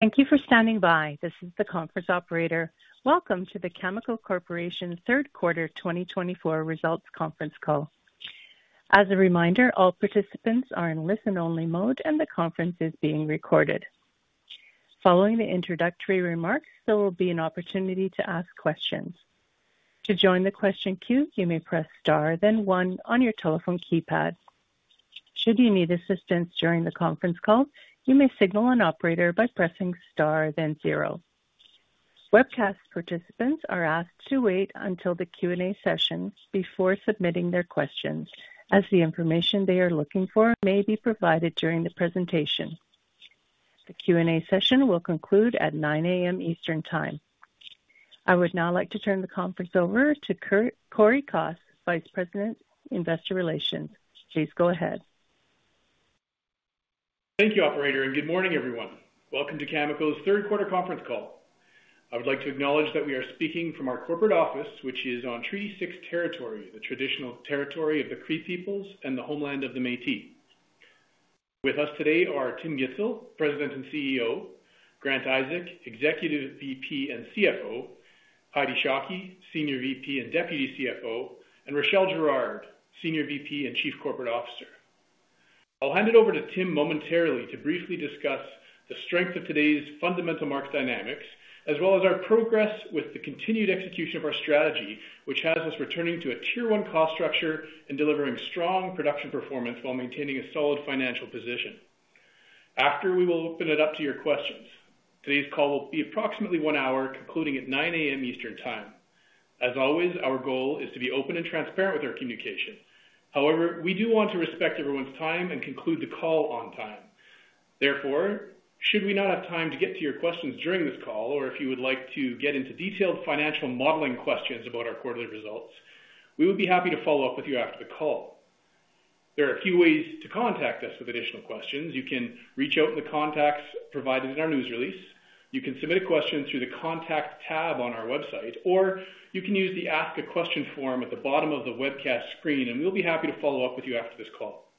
Thank you for standing by. This is the conference operator. Welcome to the Cameco Corporation Third Quarter 2024 Results Conference Call. As a reminder, all participants are in listen-only mode, and the conference is being recorded. Following the introductory remarks, there will be an opportunity to ask questions. To join the question queue, you may press star, then one, on your telephone keypad. Should you need assistance during the conference call, you may signal an operator by pressing star, then zero. Webcast participants are asked to wait until the Q&A session before submitting their questions, as the information they are looking for may be provided during the presentation. The Q&A session will conclude at 9:00 A.M. Eastern Time. I would now like to turn the conference over to Cory Kos, Vice President, Investor Relations. Please go ahead. Thank you, Operator, and good morning, everyone. Welcome to Cameco's Third Quarter Conference Call. I would like to acknowledge that we are speaking from our corporate office, which is on Treaty 6 Territory, the traditional territory of the Cree peoples and the homeland of the Métis. With us today are Tim Gitzel, President and CEO, Grant Isaac, Executive VP and CFO, Heidi Shockey, Senior VP and Deputy CFO, and Rachelle Girard, Senior VP and Chief Corporate Officer. I'll hand it over to Tim momentarily to briefly discuss the strength of today's fundamental market dynamics, as well as our progress with the continued execution of our strategy, which has us returning to a tier one cost structure and delivering strong production performance while maintaining a solid financial position. After we will open it up to your questions. Today's call will be approximately one hour, concluding at 9:00 A.M. Eastern Time. As always, our goal is to be open and transparent with our communication. However, we do want to respect everyone's time and conclude the call on time. Therefore, should we not have time to get to your questions during this call, or if you would like to get into detailed financial modeling questions about our quarterly results, we would be happy to follow up with you after the call. There are a few ways to contact us with additional questions. You can reach out in the contacts provided in our news release. You can submit a question through the Contact tab on our website, or you can use the Ask a Question form at the bottom of the webcast screen, and we'll be happy to follow up with you after this call.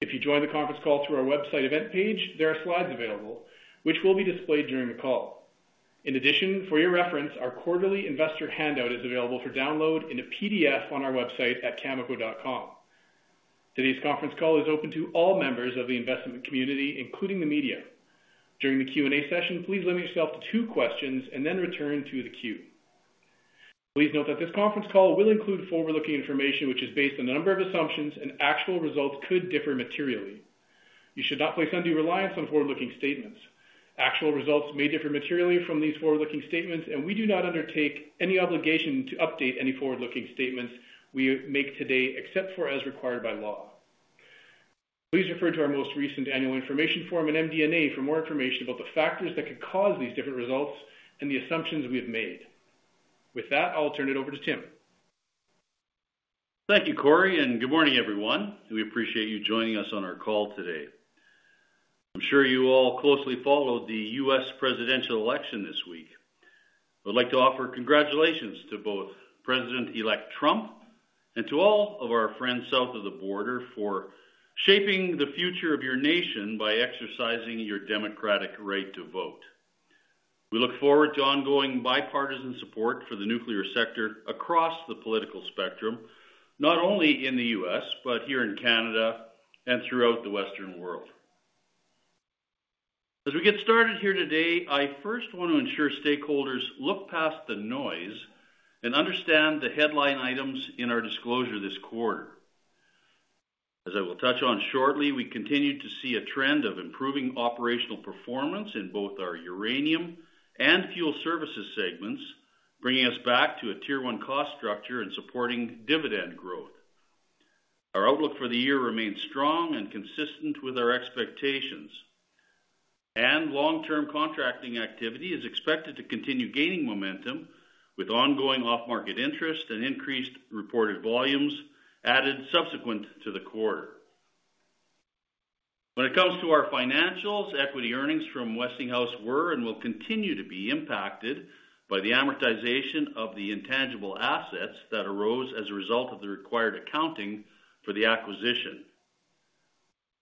If you join the conference call through our website event page, there are slides available, which will be displayed during the call. In addition, for your reference, our quarterly investor handout is available for download in a PDF on our website at Cameco.com. Today's conference call is open to all members of the investment community, including the media. During the Q&A session, please limit yourself to two questions and then return to the queue. Please note that this conference call will include forward-looking information, which is based on a number of assumptions, and actual results could differ materially. You should not place undue reliance on forward-looking statements. Actual results may differ materially from these forward-looking statements, and we do not undertake any obligation to update any forward-looking statements we make today except as required by law. Please refer to our most recent annual information form and MD&A for more information about the factors that could cause these different results and the assumptions we have made. With that, I'll turn it over to Tim. Thank you, Cory, and good morning, everyone. We appreciate you joining us on our call today. I'm sure you all closely followed the U.S. presidential election this week. I would like to offer congratulations to both President-elect Trump and to all of our friends south of the border for shaping the future of your nation by exercising your democratic right to vote. We look forward to ongoing bipartisan support for the nuclear sector across the political spectrum, not only in the U.S., but here in Canada and throughout the Western world. As we get started here today, I first want to ensure stakeholders look past the noise and understand the headline items in our disclosure this quarter. As I will touch on shortly, we continue to see a trend of improving operational performance in both our uranium and fuel services segments, bringing us back to a tier one cost structure and supporting dividend growth. Our outlook for the year remains strong and consistent with our expectations, and long-term contracting activity is expected to continue gaining momentum with ongoing off-market interest and increased reported volumes added subsequent to the quarter. When it comes to our financials, equity earnings from Westinghouse were and will continue to be impacted by the amortization of the intangible assets that arose as a result of the required accounting for the acquisition.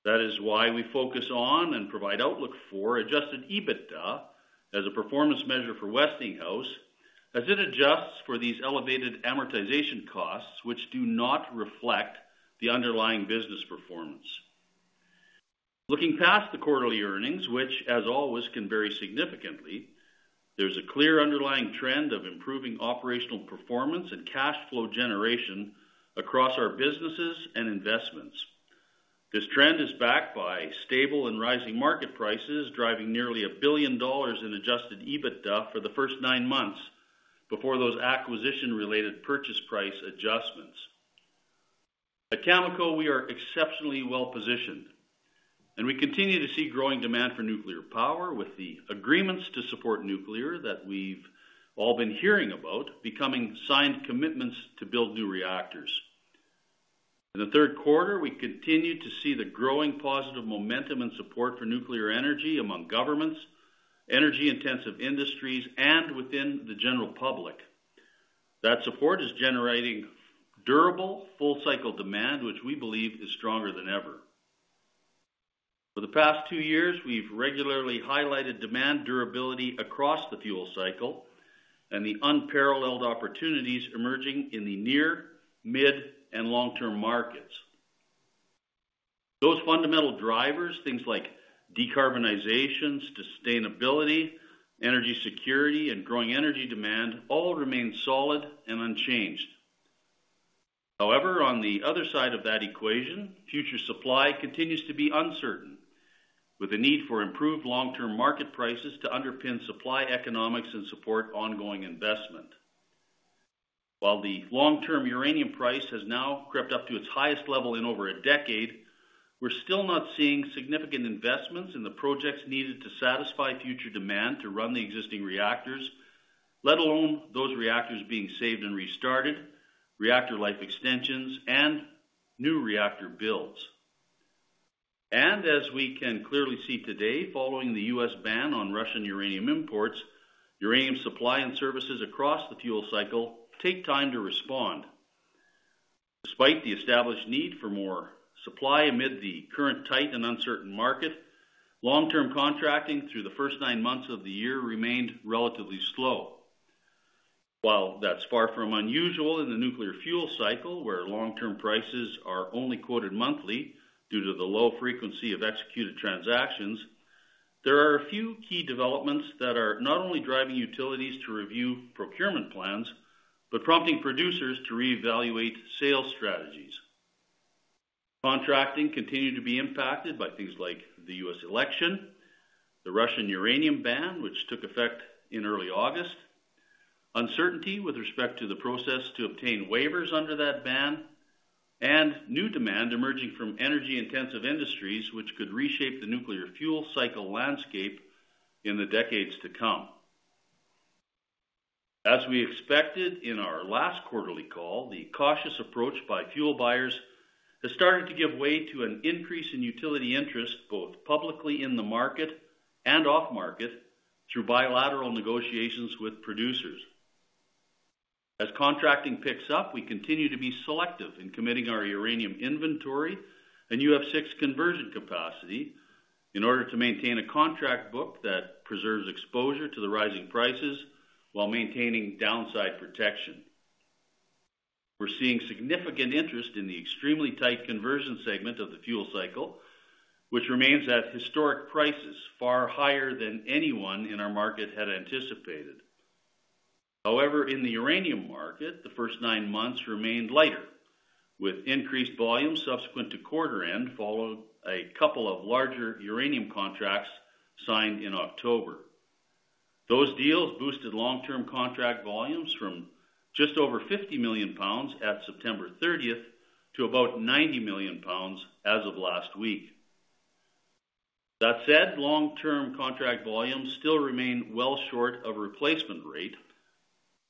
That is why we focus on and provide outlook for Adjusted EBITDA as a performance measure for Westinghouse, as it adjusts for these elevated amortization costs, which do not reflect the underlying business performance. Looking past the quarterly earnings, which, as always, can vary significantly, there's a clear underlying trend of improving operational performance and cash flow generation across our businesses and investments. This trend is backed by stable and rising market prices driving nearly $1 billion in Adjusted EBITDA for the first nine months before those acquisition-related purchase price adjustments. At Cameco, we are exceptionally well positioned, and we continue to see growing demand for nuclear power with the agreements to support nuclear that we've all been hearing about becoming signed commitments to build new reactors. In the third quarter, we continue to see the growing positive momentum and support for nuclear energy among governments, energy-intensive industries, and within the general public. That support is generating durable full-cycle demand, which we believe is stronger than ever. For the past two years, we've regularly highlighted demand durability across the fuel cycle and the unparalleled opportunities emerging in the near, mid, and long-term markets. Those fundamental drivers, things like decarbonization, sustainability, energy security, and growing energy demand, all remain solid and unchanged. However, on the other side of that equation, future supply continues to be uncertain, with a need for improved long-term market prices to underpin supply economics and support ongoing investment. While the long-term uranium price has now crept up to its highest level in over a decade, we're still not seeing significant investments in the projects needed to satisfy future demand to run the existing reactors, let alone those reactors being saved and restarted, reactor life extensions, and new reactor builds. And as we can clearly see today, following the U.S. ban on Russian uranium imports, uranium supply and services across the fuel cycle take time to respond. Despite the established need for more supply amid the current tight and uncertain market, long-term contracting through the first nine months of the year remained relatively slow. While that's far from unusual in the nuclear fuel cycle, where long-term prices are only quoted monthly due to the low frequency of executed transactions, there are a few key developments that are not only driving utilities to review procurement plans but prompting producers to reevaluate sales strategies. Contracting continued to be impacted by things like the U.S. election, the Russian uranium ban, which took effect in early August, uncertainty with respect to the process to obtain waivers under that ban, and new demand emerging from energy-intensive industries, which could reshape the nuclear fuel cycle landscape in the decades to come. As we expected in our last quarterly call, the cautious approach by fuel buyers has started to give way to an increase in utility interest both publicly in the market and off-market through bilateral negotiations with producers. As contracting picks up, we continue to be selective in committing our uranium inventory and UF6 conversion capacity in order to maintain a contract book that preserves exposure to the rising prices while maintaining downside protection. We're seeing significant interest in the extremely tight conversion segment of the fuel cycle, which remains at historic prices, far higher than anyone in our market had anticipated. However, in the uranium market, the first nine months remained lighter, with increased volumes subsequent to quarter-end following a couple of larger uranium contracts signed in October. Those deals boosted long-term contract volumes from just over 50 million lbs at September 30th to about 90 million lbs as of last week. That said, long-term contract volumes still remain well short of replacement rate,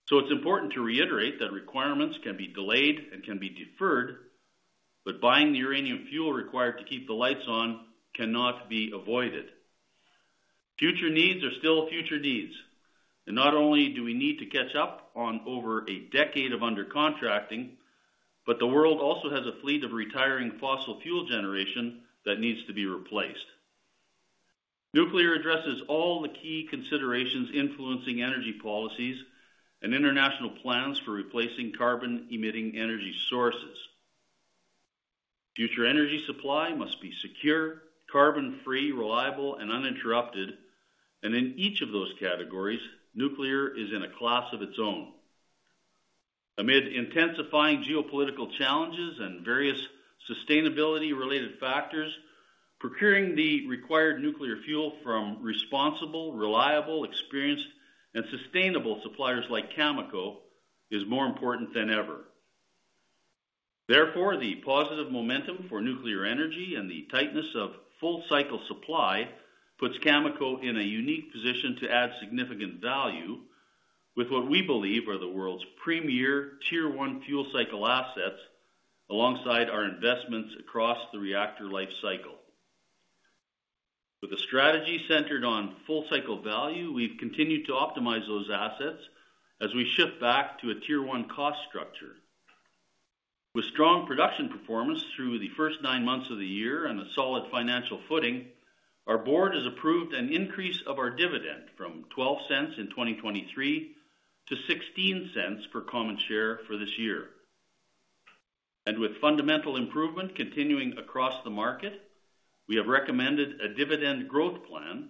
so it's important to reiterate that requirements can be delayed and can be deferred, but buying the uranium fuel required to keep the lights on cannot be avoided. Future needs are still future needs, and not only do we need to catch up on over a decade of undercontracting, but the world also has a fleet of retiring fossil fuel generation that needs to be replaced. Nuclear addresses all the key considerations influencing energy policies and international plans for replacing carbon-emitting energy sources. Future energy supply must be secure, carbon-free, reliable, and uninterrupted, and in each of those categories, nuclear is in a class of its own. Amid intensifying geopolitical challenges and various sustainability-related factors, procuring the required nuclear fuel from responsible, reliable, experienced, and sustainable suppliers like Cameco is more important than ever. Therefore, the positive momentum for nuclear energy and the tightness of full-cycle supply puts Cameco in a unique position to add significant value with what we believe are the world's premier tier one fuel cycle assets alongside our investments across the reactor life cycle. With a strategy centered on full-cycle value, we've continued to optimize those assets as we shift back to a tier one cost structure. With strong production performance through the first nine months of the year and a solid financial footing, our board has approved an increase of our dividend from $0.12 in 2023 to $0.16 per common share for this year, and with fundamental improvement continuing across the market, we have recommended a dividend growth plan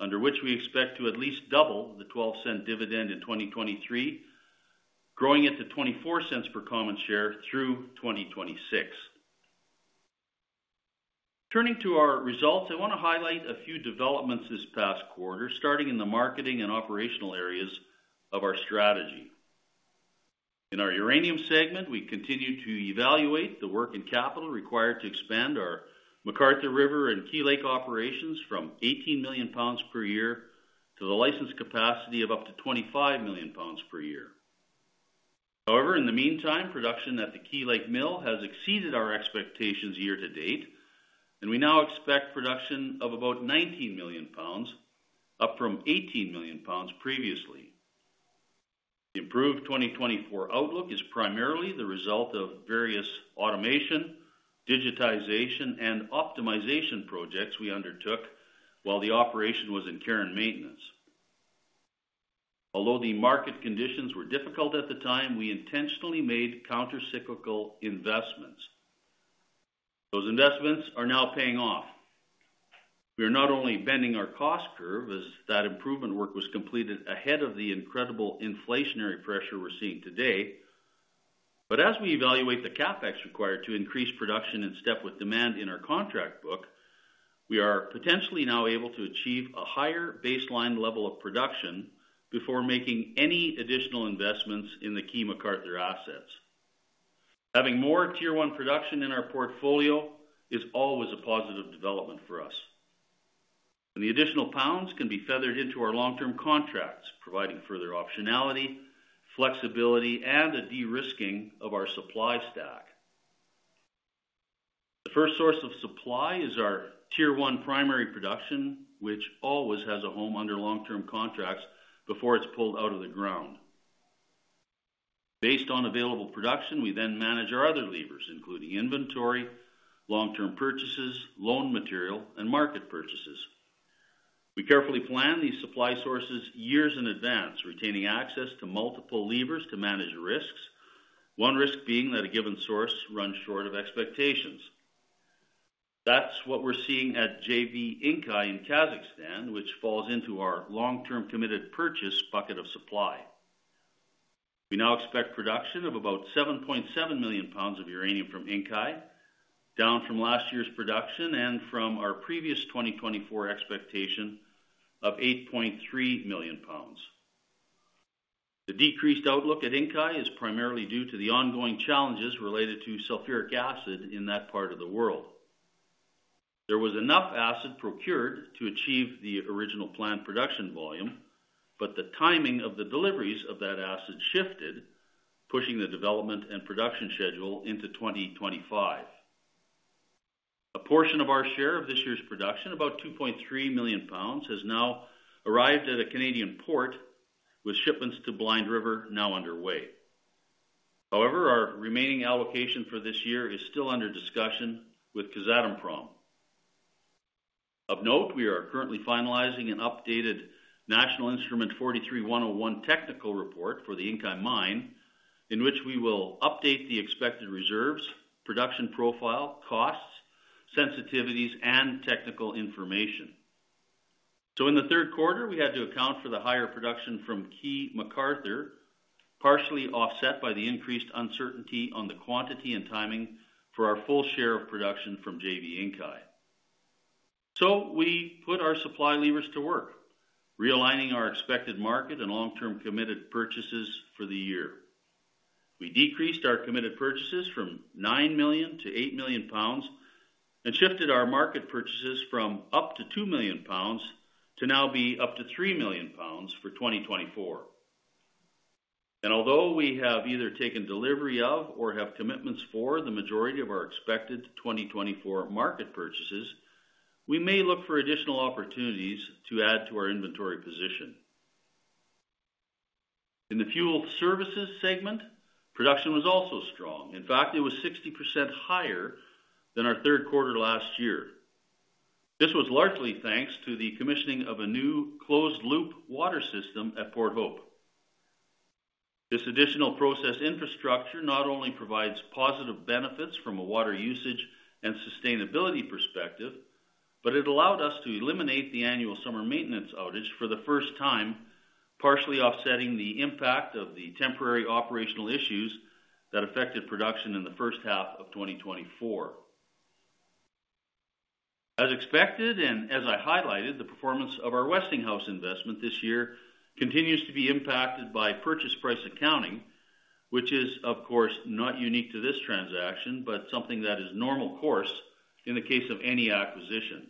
under which we expect to at least double the $0.12 dividend in 2023, growing it to $0.24 per common share through 2026. Turning to our results, I want to highlight a few developments this past quarter, starting in the marketing and operational areas of our strategy. In our uranium segment, we continue to evaluate the work and capital required to expand our McArthur River and Key Lake operations from 18 million lbs per year to the licensed capacity of up to 25 million lbs per year. However, in the meantime, production at the Key Lake Mill has exceeded our expectations year to date, and we now expect production of about 19 million lbs, up from 18 million lbs previously. The improved 2024 outlook is primarily the result of various automation, digitization, and optimization projects we undertook while the operation was in care and maintenance. Although the market conditions were difficult at the time, we intentionally made countercyclical investments. Those investments are now paying off. We are not only bending our cost curve as that improvement work was completed ahead of the incredible inflationary pressure we're seeing today, but as we evaluate the CapEx required to increase production and step with demand in our contract book, we are potentially now able to achieve a higher baseline level of production before making any additional investments in the key McArthur assets. Having more tier one production in our portfolio is always a positive development for us. And the additional pounds can be feathered into our long-term contracts, providing further optionality, flexibility, and a de-risking of our supply stack. The first source of supply is our tier one primary production, which always has a home under long-term contracts before it's pulled out of the ground. Based on available production, we then manage our other levers, including inventory, long-term purchases, loan material, and market purchases. We carefully plan these supply sources years in advance, retaining access to multiple levers to manage risks, one risk being that a given source runs short of expectations. That's what we're seeing at JV Inkai in Kazakhstan, which falls into our long-term committed purchase bucket of supply. We now expect production of about 7.7 million lbs of uranium from Inkai, down from last year's production and from our previous 2024 expectation of 8.3 million lbs. The decreased outlook at Inkai is primarily due to the ongoing challenges related to sulfuric acid in that part of the world. There was enough acid procured to achieve the original planned production volume, but the timing of the deliveries of that acid shifted, pushing the development and production schedule into 2025. A portion of our share of this year's production, about 2.3 million lbs, has now arrived at a Canadian port, with shipments to Blind River now underway. However, our remaining allocation for this year is still under discussion with Kazatomprom. Of note, we are currently finalizing an updated National Instrument 43-101 technical report for the Inkai mine, in which we will update the expected reserves, production profile, costs, sensitivities, and technical information. So in the third quarter, we had to account for the higher production from Key McArthur, partially offset by the increased uncertainty on the quantity and timing for our full share of production from JV Inkai. So we put our supply levers to work, realigning our expected market and long-term committed purchases for the year. We decreased our committed purchases from 9 million to 8 million lbs and shifted our market purchases from up to 2 million lbs to now be up to 3 million lbs for 2024. Although we have either taken delivery of or have commitments for the majority of our expected 2024 market purchases, we may look for additional opportunities to add to our inventory position. In the fuel services segment, production was also strong. In fact, it was 60% higher than our third quarter last year. This was largely thanks to the commissioning of a new closed-loop water system at Port Hope. This additional process infrastructure not only provides positive benefits from a water usage and sustainability perspective, but it allowed us to eliminate the annual summer maintenance outage for the first time, partially offsetting the impact of the temporary operational issues that affected production in the first half of 2024. As expected and as I highlighted, the performance of our Westinghouse investment this year continues to be impacted by purchase price accounting, which is, of course, not unique to this transaction, but something that is normal course in the case of any acquisition.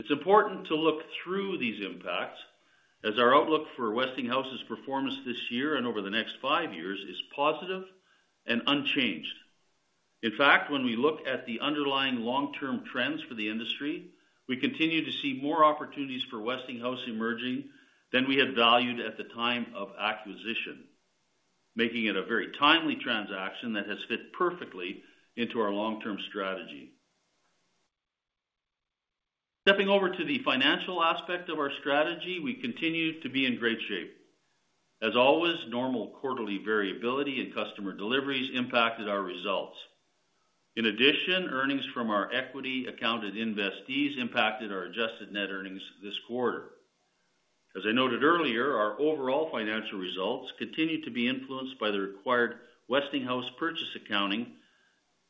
It's important to look through these impacts as our outlook for Westinghouse's performance this year and over the next five years is positive and unchanged. In fact, when we look at the underlying long-term trends for the industry, we continue to see more opportunities for Westinghouse emerging than we had valued at the time of acquisition, making it a very timely transaction that has fit perfectly into our long-term strategy. Stepping over to the financial aspect of our strategy, we continue to be in great shape. As always, normal quarterly variability and customer deliveries impacted our results. In addition, earnings from our equity-accounted investees impacted our Adjusted Net Earnings this quarter. As I noted earlier, our overall financial results continue to be influenced by the required Westinghouse purchase accounting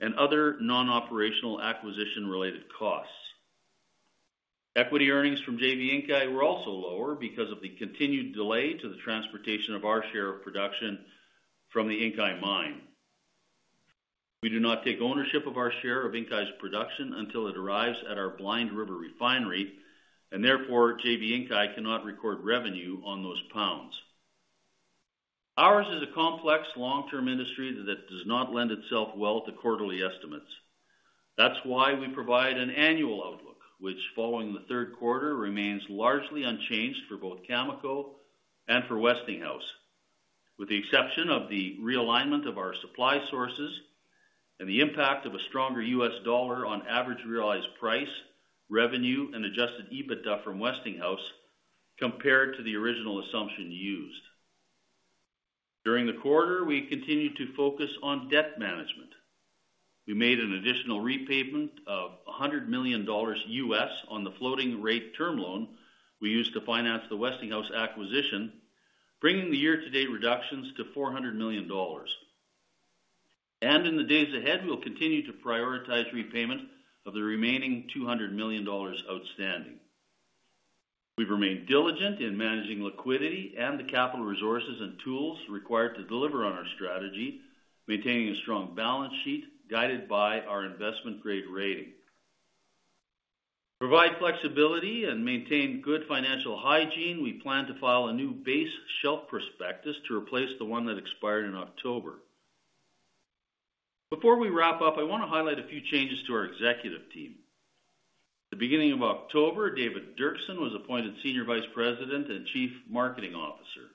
and other non-operational acquisition-related costs. Equity earnings from JV Inkai were also lower because of the continued delay to the transportation of our share of production from the Inkai mine. We do not take ownership of our share of Inkai's production until it arrives at our Blind River Refinery, and therefore JV Inkai cannot record revenue on those pounds. Ours is a complex long-term industry that does not lend itself well to quarterly estimates. That's why we provide an annual outlook, which following the third quarter remains largely unchanged for both Cameco and for Westinghouse, with the exception of the real alignment of our supply sources and the impact of a stronger U.S. dollar on average realized price, revenue, and adjusted EBITDA from Westinghouse compared to the original assumption used. During the quarter, we continued to focus on debt management. We made an additional repayment of $100 million on the floating rate term loan we used to finance the Westinghouse acquisition, bringing the year-to-date reductions to $400 million, and in the days ahead, we'll continue to prioritize repayment of the remaining $200 million outstanding. We've remained diligent in managing liquidity and the capital resources and tools required to deliver on our strategy, maintaining a strong balance sheet guided by our investment-grade rating. To provide flexibility and maintain good financial hygiene, we plan to file a new base shelf prospectus to replace the one that expired in October. Before we wrap up, I want to highlight a few changes to our executive team. At the beginning of October, David Doerksen was appointed Senior Vice President and Chief Marketing Officer.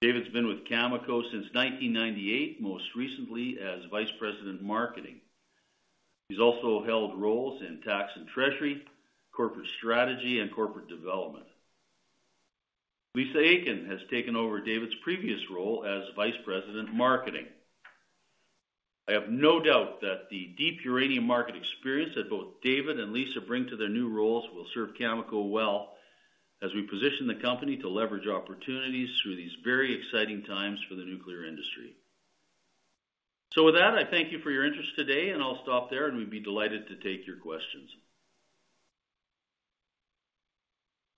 David's been with Cameco since 1998, most recently as Vice President Marketing. He's also held roles in tax and treasury, corporate strategy, and corporate development. Lisa Aitken has taken over David's previous role as Vice President Marketing. I have no doubt that the deep uranium market experience that both David and Lisa bring to their new roles will serve Cameco well as we position the company to leverage opportunities through these very exciting times for the nuclear industry. So with that, I thank you for your interest today, and I'll stop there, and we'd be delighted to take your questions.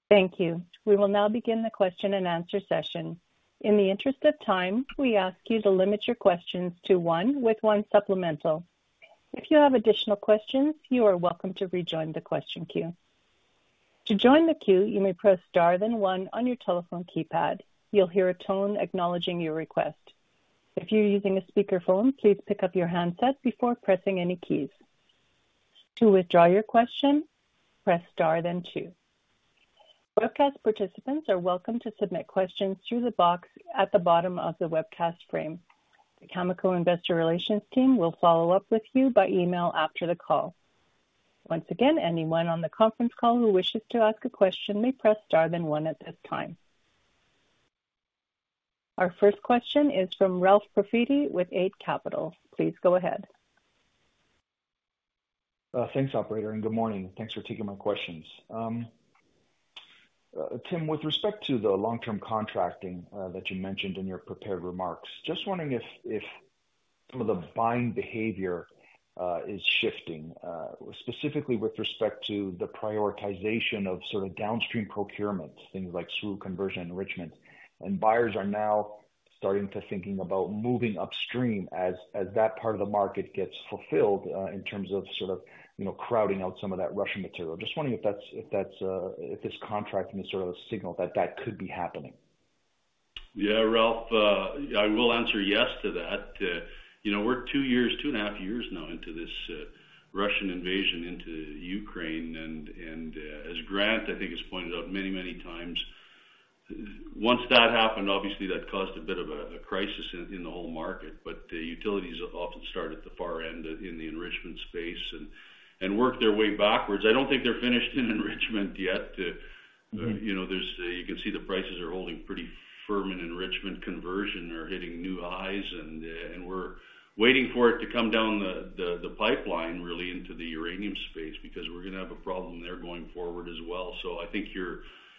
Thank you. We will now begin the question and answer session. In the interest of time, we ask you to limit your questions to one with one supplemental. If you have additional questions, you are welcome to rejoin the question queue. To join the queue, you may press star then one on your telephone keypad. You'll hear a tone acknowledging your request. If you're using a speakerphone, please pick up your handset before pressing any keys. To withdraw your question, press star then two. Webcast participants are welcome to submit questions through the box at the bottom of the webcast frame. The Cameco Investor Relations team will follow up with you by email after the call. Once again, anyone on the conference call who wishes to ask a question may press star then one at this time. Our first question is from Ralph Profiti with Eight Capital. Please go ahead. Thanks, Operator, and good morning. Thanks for taking my questions. Tim, with respect to the long-term contracting that you mentioned in your prepared remarks, just wondering if some of the buying behavior is shifting, specifically with respect to the prioritization of sort of downstream procurement, things like UF6 conversion, enrichment, and buyers are now starting to think about moving upstream as that part of the market gets fulfilled in terms of sort of crowding out some of that Russian material. Just wondering if this contracting is sort of a signal that that could be happening. Yeah, Ralph, I will answer yes to that. We're two years, two and a half years now into this Russian invasion into Ukraine. As Grant, I think, has pointed out many, many times, once that happened, obviously that caused a bit of a crisis in the whole market. The utilities often start at the far end in the enrichment space and work their way backwards. I don't think they're finished in enrichment yet. You can see the prices are holding pretty firm in enrichment conversion or hitting new highs. We're waiting for it to come down the pipeline, really, into the uranium space because we're going to have a problem there going forward as well.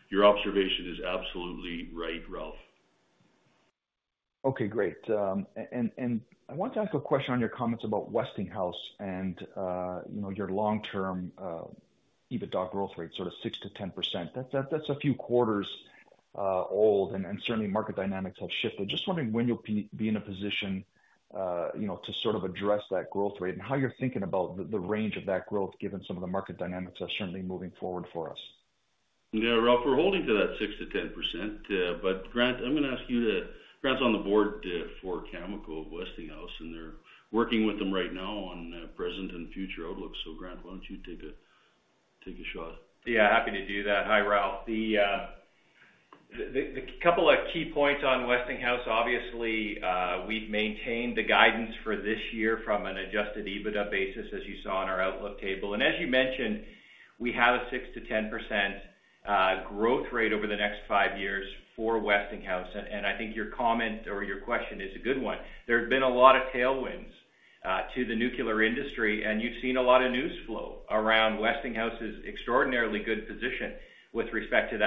Your observation is absolutely right, Ralph. Okay, great. I want to ask a question on your comments about Westinghouse and your long-term EBITDA growth rate, sort of 6%-10%. That's a few quarters old, and certainly market dynamics have shifted. Just wondering when you'll be in a position to sort of address that growth rate and how you're thinking about the range of that growth given some of the market dynamics that are certainly moving forward for us. Yeah, Ralph, we're holding to that 6%-10%. But Grant, I'm going to ask you to. Grant's on the board for Cameco Westinghouse, and they're working with them right now on present and future outlooks. So Grant, why don't you take a shot? Yeah, happy to do that. Hi, Ralph. The couple of key points on Westinghouse, obviously, we've maintained the guidance for this year from an Adjusted EBITDA basis, as you saw on our outlook table. And as you mentioned, we have a 6%-10% growth rate over the next five years for Westinghouse. I think your comment or your question is a good one. There have been a lot of tailwinds to the nuclear industry, and you've seen a lot of news flow around Westinghouse's extraordinarily good position with respect to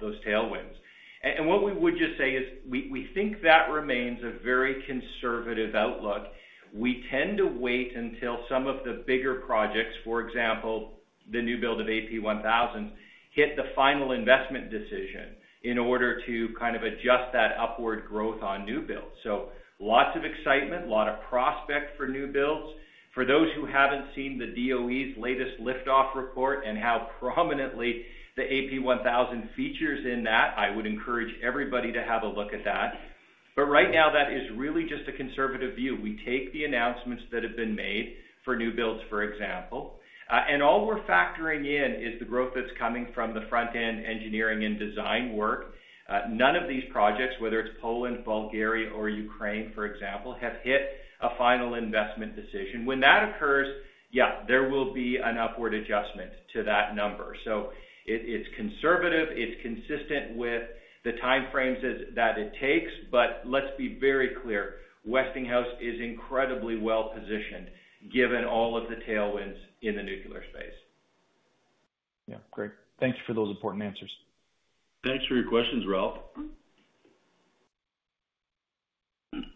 those tailwinds. What we would just say is we think that remains a very conservative outlook. We tend to wait until some of the bigger projects, for example, the new build of AP1000, hit the final investment decision in order to kind of adjust that upward growth on new builds. Lots of excitement, a lot of prospect for new builds. For those who haven't seen the DOE's latest Liftoff Report and how prominently the AP1000 features in that, I would encourage everybody to have a look at that. Right now, that is really just a conservative view. We take the announcements that have been made for new builds, for example, and all we're factoring in is the growth that's coming from the front-end engineering and design work. None of these projects, whether it's Poland, Bulgaria, or Ukraine, for example, have hit a final investment decision. When that occurs, yeah, there will be an upward adjustment to that number, so it's conservative. It's consistent with the time frames that it takes, but let's be very clear, Westinghouse is incredibly well positioned given all of the tailwinds in the nuclear space. Yeah, great. Thanks for those important answers. Thanks for your questions, Ralph.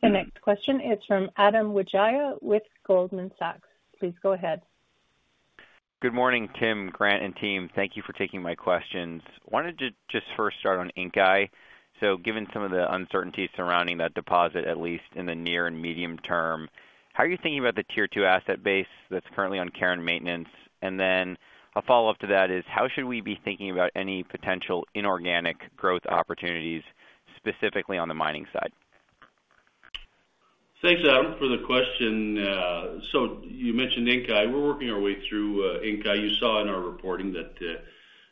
The next question is from Adam Wijaya with Goldman Sachs. Please go ahead. Good morning, Tim, Grant, and team. Thank you for taking my questions. Wanted to just first start on Inkai. So, given some of the uncertainties surrounding that deposit, at least in the near and medium term, how are you thinking about the tier two asset base that's currently on care and maintenance? And then a follow-up to that is, how should we be thinking about any potential inorganic growth opportunities, specifically on the mining side? Thanks, Adam, for the question. So you mentioned Inkai. We're working our way through Inkai. You saw in our reporting that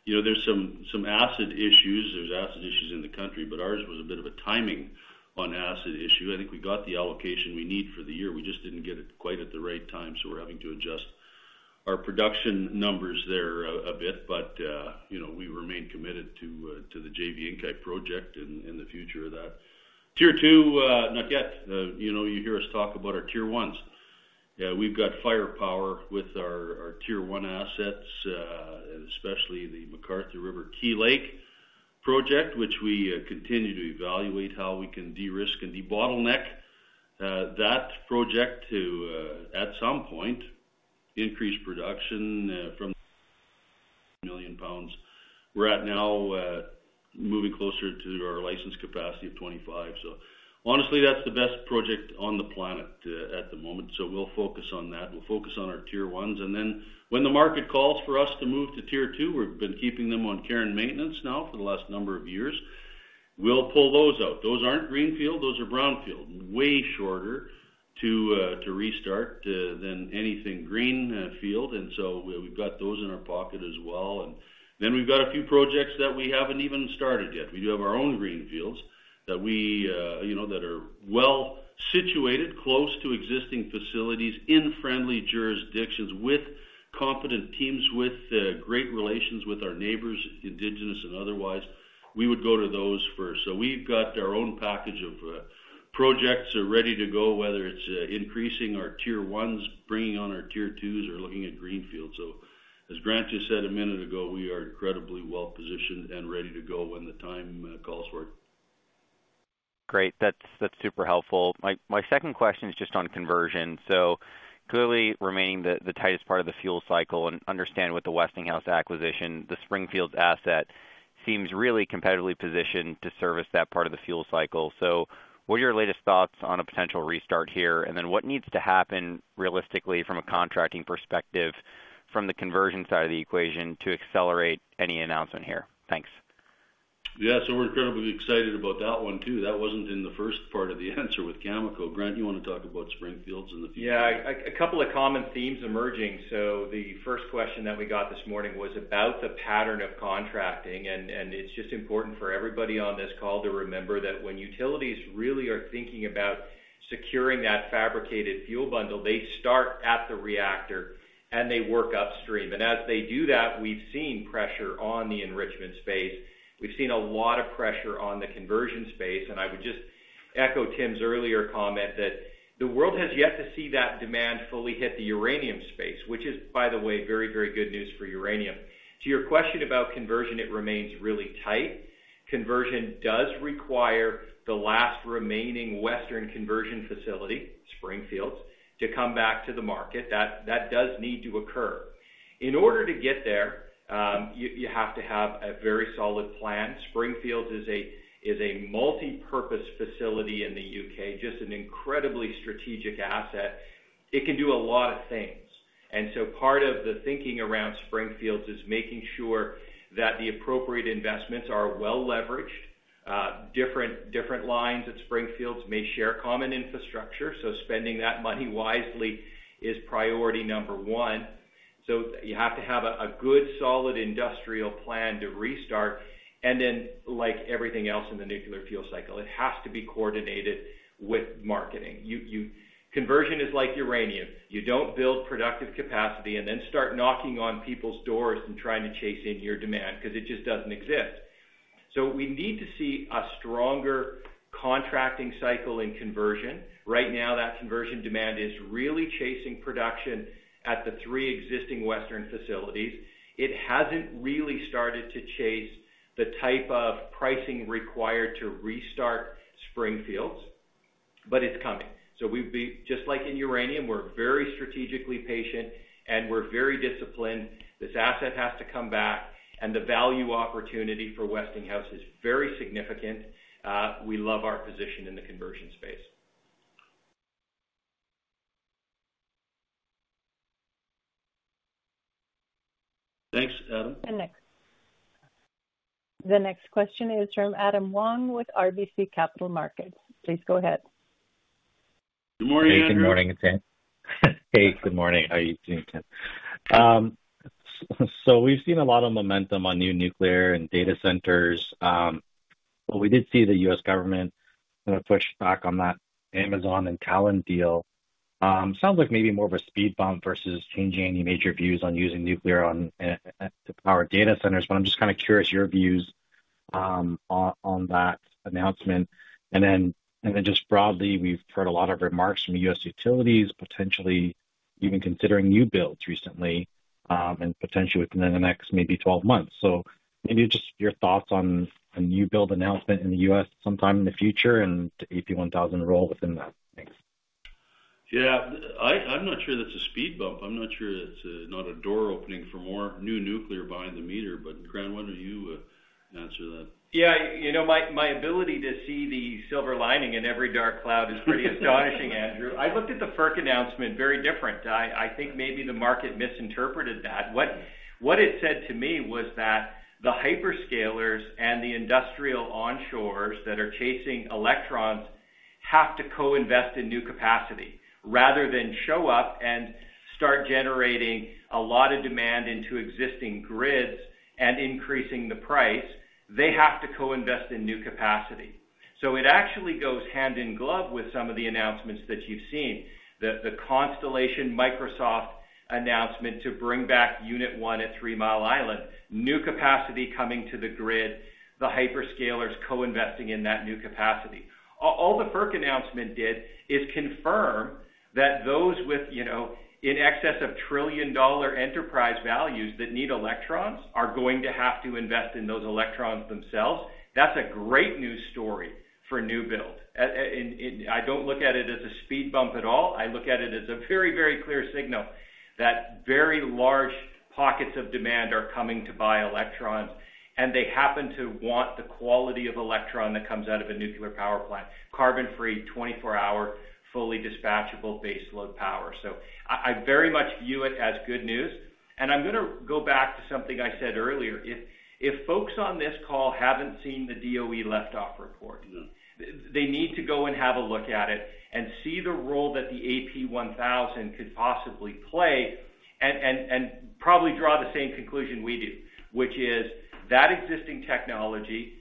there's some acid issues. There's acid issues in the country, but ours was a bit of a timing on acid issue. I think we got the allocation we need for the year. We just didn't get it quite at the right time, so we're having to adjust our production numbers there a bit. But we remain committed to the JV Inkai project and the future of that. Tier two, not yet. You hear us talk about our tier ones. We've got firepower with our tier one assets, especially the McArthur River Key Lake project, which we continue to evaluate how we can de-risk and de-bottleneck that project to, at some point, increase production from 1 million lbs. We're at now moving closer to our license capacity of 25. So honestly, that's the best project on the planet at the moment. So we'll focus on that. We'll focus on our tier ones. And then when the market calls for us to move to tier two, we've been keeping them on care and maintenance now for the last number of years. We'll pull those out. Those aren't greenfield. Those are brownfield. Way shorter to restart than anything greenfield. And so we've got those in our pocket as well. And then we've got a few projects that we haven't even started yet. We do have our own greenfields that are well situated, close to existing facilities in friendly jurisdictions with competent teams, with great relations with our neighbors, indigenous and otherwise. We would go to those first. So we've got our own package of projects ready to go, whether it's increasing our tier ones, bringing on our tier twos, or looking at greenfields. So as Grant just said a minute ago, we are incredibly well positioned and ready to go when the time calls for it. Great. That's super helpful. My second question is just on conversion. So clearly remaining the tightest part of the fuel cycle and understand with the Westinghouse acquisition, the Springfields asset seems really competitively positioned to service that part of the fuel cycle. So what are your latest thoughts on a potential restart here? And then what needs to happen realistically from a contracting perspective from the conversion side of the equation to accelerate any announcement here? Thanks. Yeah, so we're incredibly excited about that one too. That wasn't in the first part of the answer with Cameco. Grant, you want to talk about Springfields in the future? Yeah, a couple of common themes emerging. So the first question that we got this morning was about the pattern of contracting. And it's just important for everybody on this call to remember that when utilities really are thinking about securing that fabricated fuel bundle, they start at the reactor and they work upstream. And as they do that, we've seen pressure on the enrichment space. We've seen a lot of pressure on the conversion space. I would just echo Tim's earlier comment that the world has yet to see that demand fully hit the uranium space, which is, by the way, very, very good news for uranium. To your question about conversion, it remains really tight. Conversion does require the last remaining western conversion facility, Springfields, to come back to the market. That does need to occur. In order to get there, you have to have a very solid plan. Springfields is a multipurpose facility in the U.K., just an incredibly strategic asset. It can do a lot of things. Part of the thinking around Springfields is making sure that the appropriate investments are well leveraged. Different lines at Springfields may share common infrastructure. Spending that money wisely is priority number one. You have to have a good solid industrial plan to restart. Then, like everything else in the nuclear fuel cycle, it has to be coordinated with marketing. Conversion is like uranium. You don't build productive capacity and then start knocking on people's doors and trying to chase in your demand because it just doesn't exist. So we need to see a stronger contracting cycle in conversion. Right now, that conversion demand is really chasing production at the three existing western facilities. It hasn't really started to chase the type of pricing required to restart Springfields, but it's coming. So just like in uranium, we're very strategically patient and we're very disciplined. This asset has to come back, and the value opportunity for Westinghouse is very significant. We love our position in the conversion space. Thanks, Adam. And next. The next question is from Andrew Wong with RBC Capital Markets. Please go ahead. Good morning, Andrew. Hey, good morning. Hey, good morning. How are you doing, Tim? So we've seen a lot of momentum on new nuclear and data centers. But we did see the U.S. government kind of push back on that Amazon and Talen deal. Sounds like maybe more of a speed bump versus changing any major views on using nuclear to power data centers. But I'm just kind of curious your views on that announcement. And then just broadly, we've heard a lot of remarks from U.S. utilities, potentially even considering new builds recently and potentially within the next maybe 12 months. So maybe just your thoughts on a new build announcement in the U.S. sometime in the future and the AP1000 role within that. Thanks. Yeah, I'm not sure that's a speed bump. I'm not sure it's not a door opening for more new nuclear behind the meter. But Grant, why don't you answer that? Yeah, my ability to see the silver lining in every dark cloud is pretty astonishing, Andrew. I looked at the FERC announcement very different. I think maybe the market misinterpreted that. What it said to me was that the hyperscalers and the industrial onshores that are chasing electrons have to co-invest in new capacity. Rather than show up and start generating a lot of demand into existing grids and increasing the price, they have to co-invest in new capacity. So it actually goes hand in glove with some of the announcements that you've seen. The Constellation Microsoft announcement to bring back Unit 1 at Three Mile Island. New capacity coming to the grid. The hyperscalers co-investing in that new capacity. All the FERC announcement did is confirm that those with in excess of trillion-dollar enterprise values that need electrons are going to have to invest in those electrons themselves. That's a great news story for new builds. I don't look at it as a speed bump at all. I look at it as a very, very clear signal that very large pockets of demand are coming to buy electrons. And they happen to want the quality of electron that comes out of a nuclear power plant. Carbon-free, 24-hour, fully dispatchable baseload power. So I very much view it as good news. And I'm going to go back to something I said earlier. If folks on this call haven't seen the DOE Liftoff Report, they need to go and have a look at it and see the role that the AP1000 could possibly play and probably draw the same conclusion we do, which is that existing technology,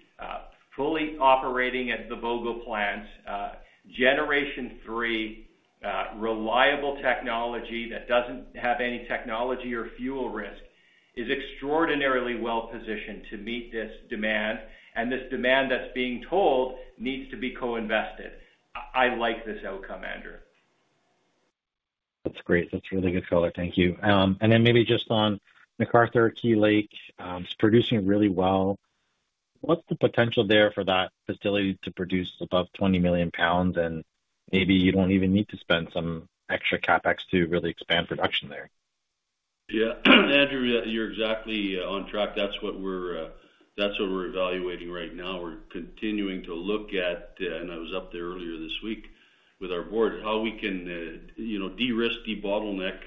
fully operating at the Vogtle plants, Generation III, reliable technology that doesn't have any technology or fuel risk, is extraordinarily well positioned to meet this demand that's being told needs to be co-invested. I like this outcome, Andrew. That's great. That's really good color. Thank you, and then maybe just on McArthur River/Key Lake, it's producing really well. What's the potential there for that facility to produce above 20 million lbs? And maybe you don't even need to spend some extra CapEx to really expand production there. Yeah, Andrew, you're exactly on track. That's what we're evaluating right now. We're continuing to look at, and I was up there earlier this week with our board, how we can de-risk, de-bottleneck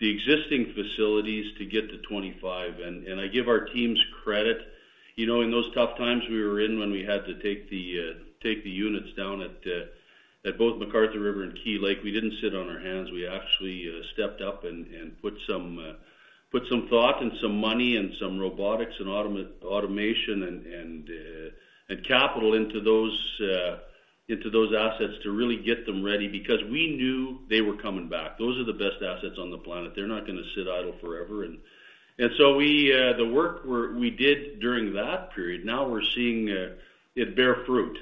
the existing facilities to get to 25. I give our teams credit. In those tough times we were in when we had to take the units down at both McArthur River and Key Lake, we didn't sit on our hands. We actually stepped up and put some thought and some money and some robotics and automation and capital into those assets to really get them ready because we knew they were coming back. Those are the best assets on the planet. They're not going to sit idle forever. The work we did during that period, now we're seeing it bear fruit.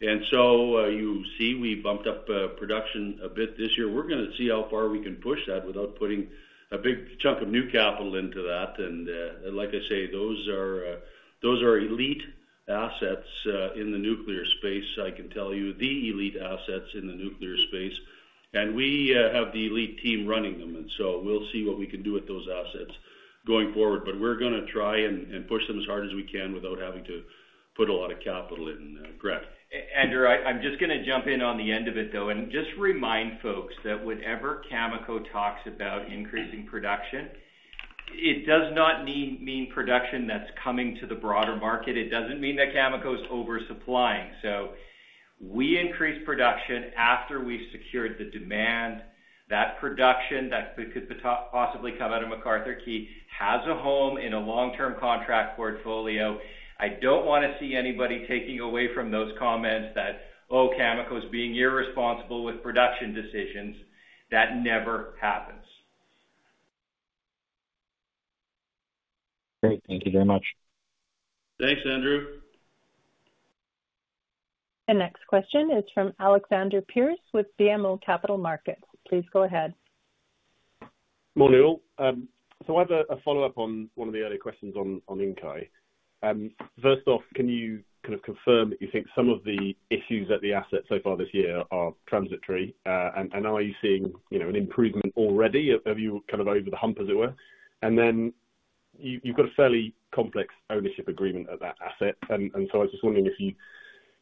You see we bumped up production a bit this year. We're going to see how far we can push that without putting a big chunk of new capital into that. And like I say, those are elite assets in the nuclear space, I can tell you, the elite assets in the nuclear space. And we have the elite team running them. And so we'll see what we can do with those assets going forward. But we're going to try and push them as hard as we can without having to put a lot of capital in. Grant. Andrew, I'm just going to jump in on the end of it though, and just remind folks that whenever Cameco talks about increasing production, it does not mean production that's coming to the broader market. It doesn't mean that Cameco is oversupplying. So we increase production after we've secured the demand. That production that could possibly come out of McArthur River/Key Lake has a home in a long-term contract portfolio. I don't want to see anybody taking away from those comments that, "Oh, Cameco is being irresponsible with production decisions." That never happens. Great. Thank you very much. Thanks, Andrew. The next question is from Alexander Pearce with BMO Capital Markets. Please go ahead. Morning, all. So I have a follow-up on one of the earlier questions on Inkai. First off, can you kind of confirm that you think some of the issues at the asset so far this year are transitory? And are you seeing an improvement already? Have you kind of over the hump, as it were? And then you've got a fairly complex ownership agreement at that asset. And so I was just wondering if you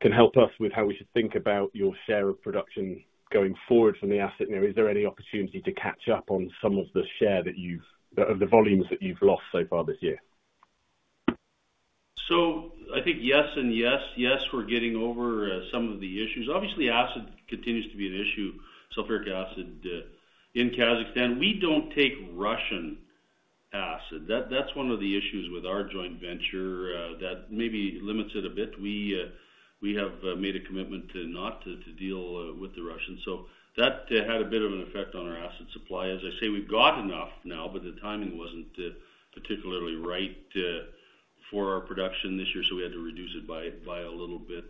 can help us with how we should think about your share of production going forward from the asset. Is there any opportunity to catch up on some of the share of the volumes that you've lost so far this year? So I think yes and yes. Yes, we're getting over some of the issues. Obviously, acid continues to be an issue, sulfuric acid in Kazakhstan. We don't take Russian acid. That's one of the issues with our joint venture that maybe limits it a bit. We have made a commitment to not deal with the Russians. So that had a bit of an effect on our acid supply. As I say, we've got enough now, but the timing wasn't particularly right for our production this year, so we had to reduce it by a little bit.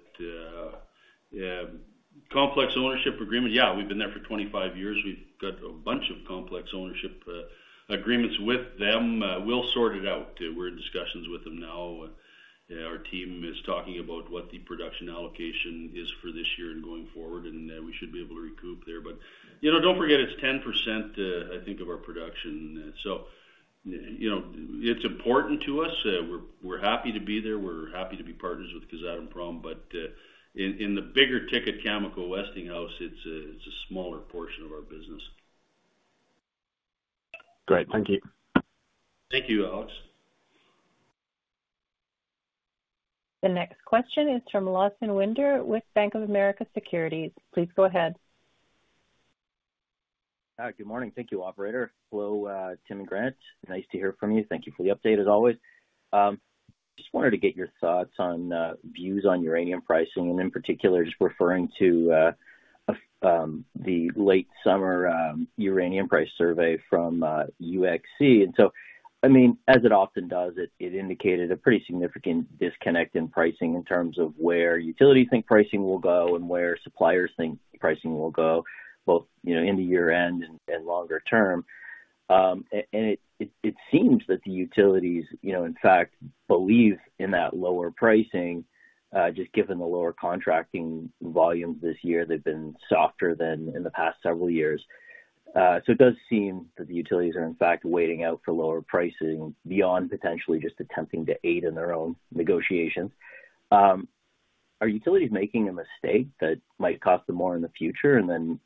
Complex ownership agreement. Yeah, we've been there for 25 years. We've got a bunch of complex ownership agreements with them. We'll sort it out. We're in discussions with them now. Our team is talking about what the production allocation is for this year and going forward, and we should be able to recoup there. But don't forget, it's 10%, I think, of our production. So it's important to us. We're happy to be there. We're happy to be partners with Kazatomprom. But in the bigger ticket, Cameco Westinghouse, it's a smaller portion of our business. Great. Thank you. Thank you, Alex. The next question is from Lawson Winder with Bank of America Securities. Please go ahead. Hi, good morning. Thank you, operator. Hello, Tim and Grant. Nice to hear from you. Thank you for the update, as always. Just wanted to get your thoughts on views on uranium pricing, and in particular, just referring to the late summer uranium price survey from UxC. I mean, as it often does, it indicated a pretty significant disconnect in pricing in terms of where utilities think pricing will go and where suppliers think pricing will go, both in the year-end and longer term. It seems that the utilities, in fact, believe in that lower pricing, just given the lower contracting volumes this year. They've been softer than in the past several years. It does seem that the utilities are, in fact, waiting out for lower pricing beyond potentially just attempting to aid in their own negotiations. Are utilities making a mistake that might cost them more in the future? And then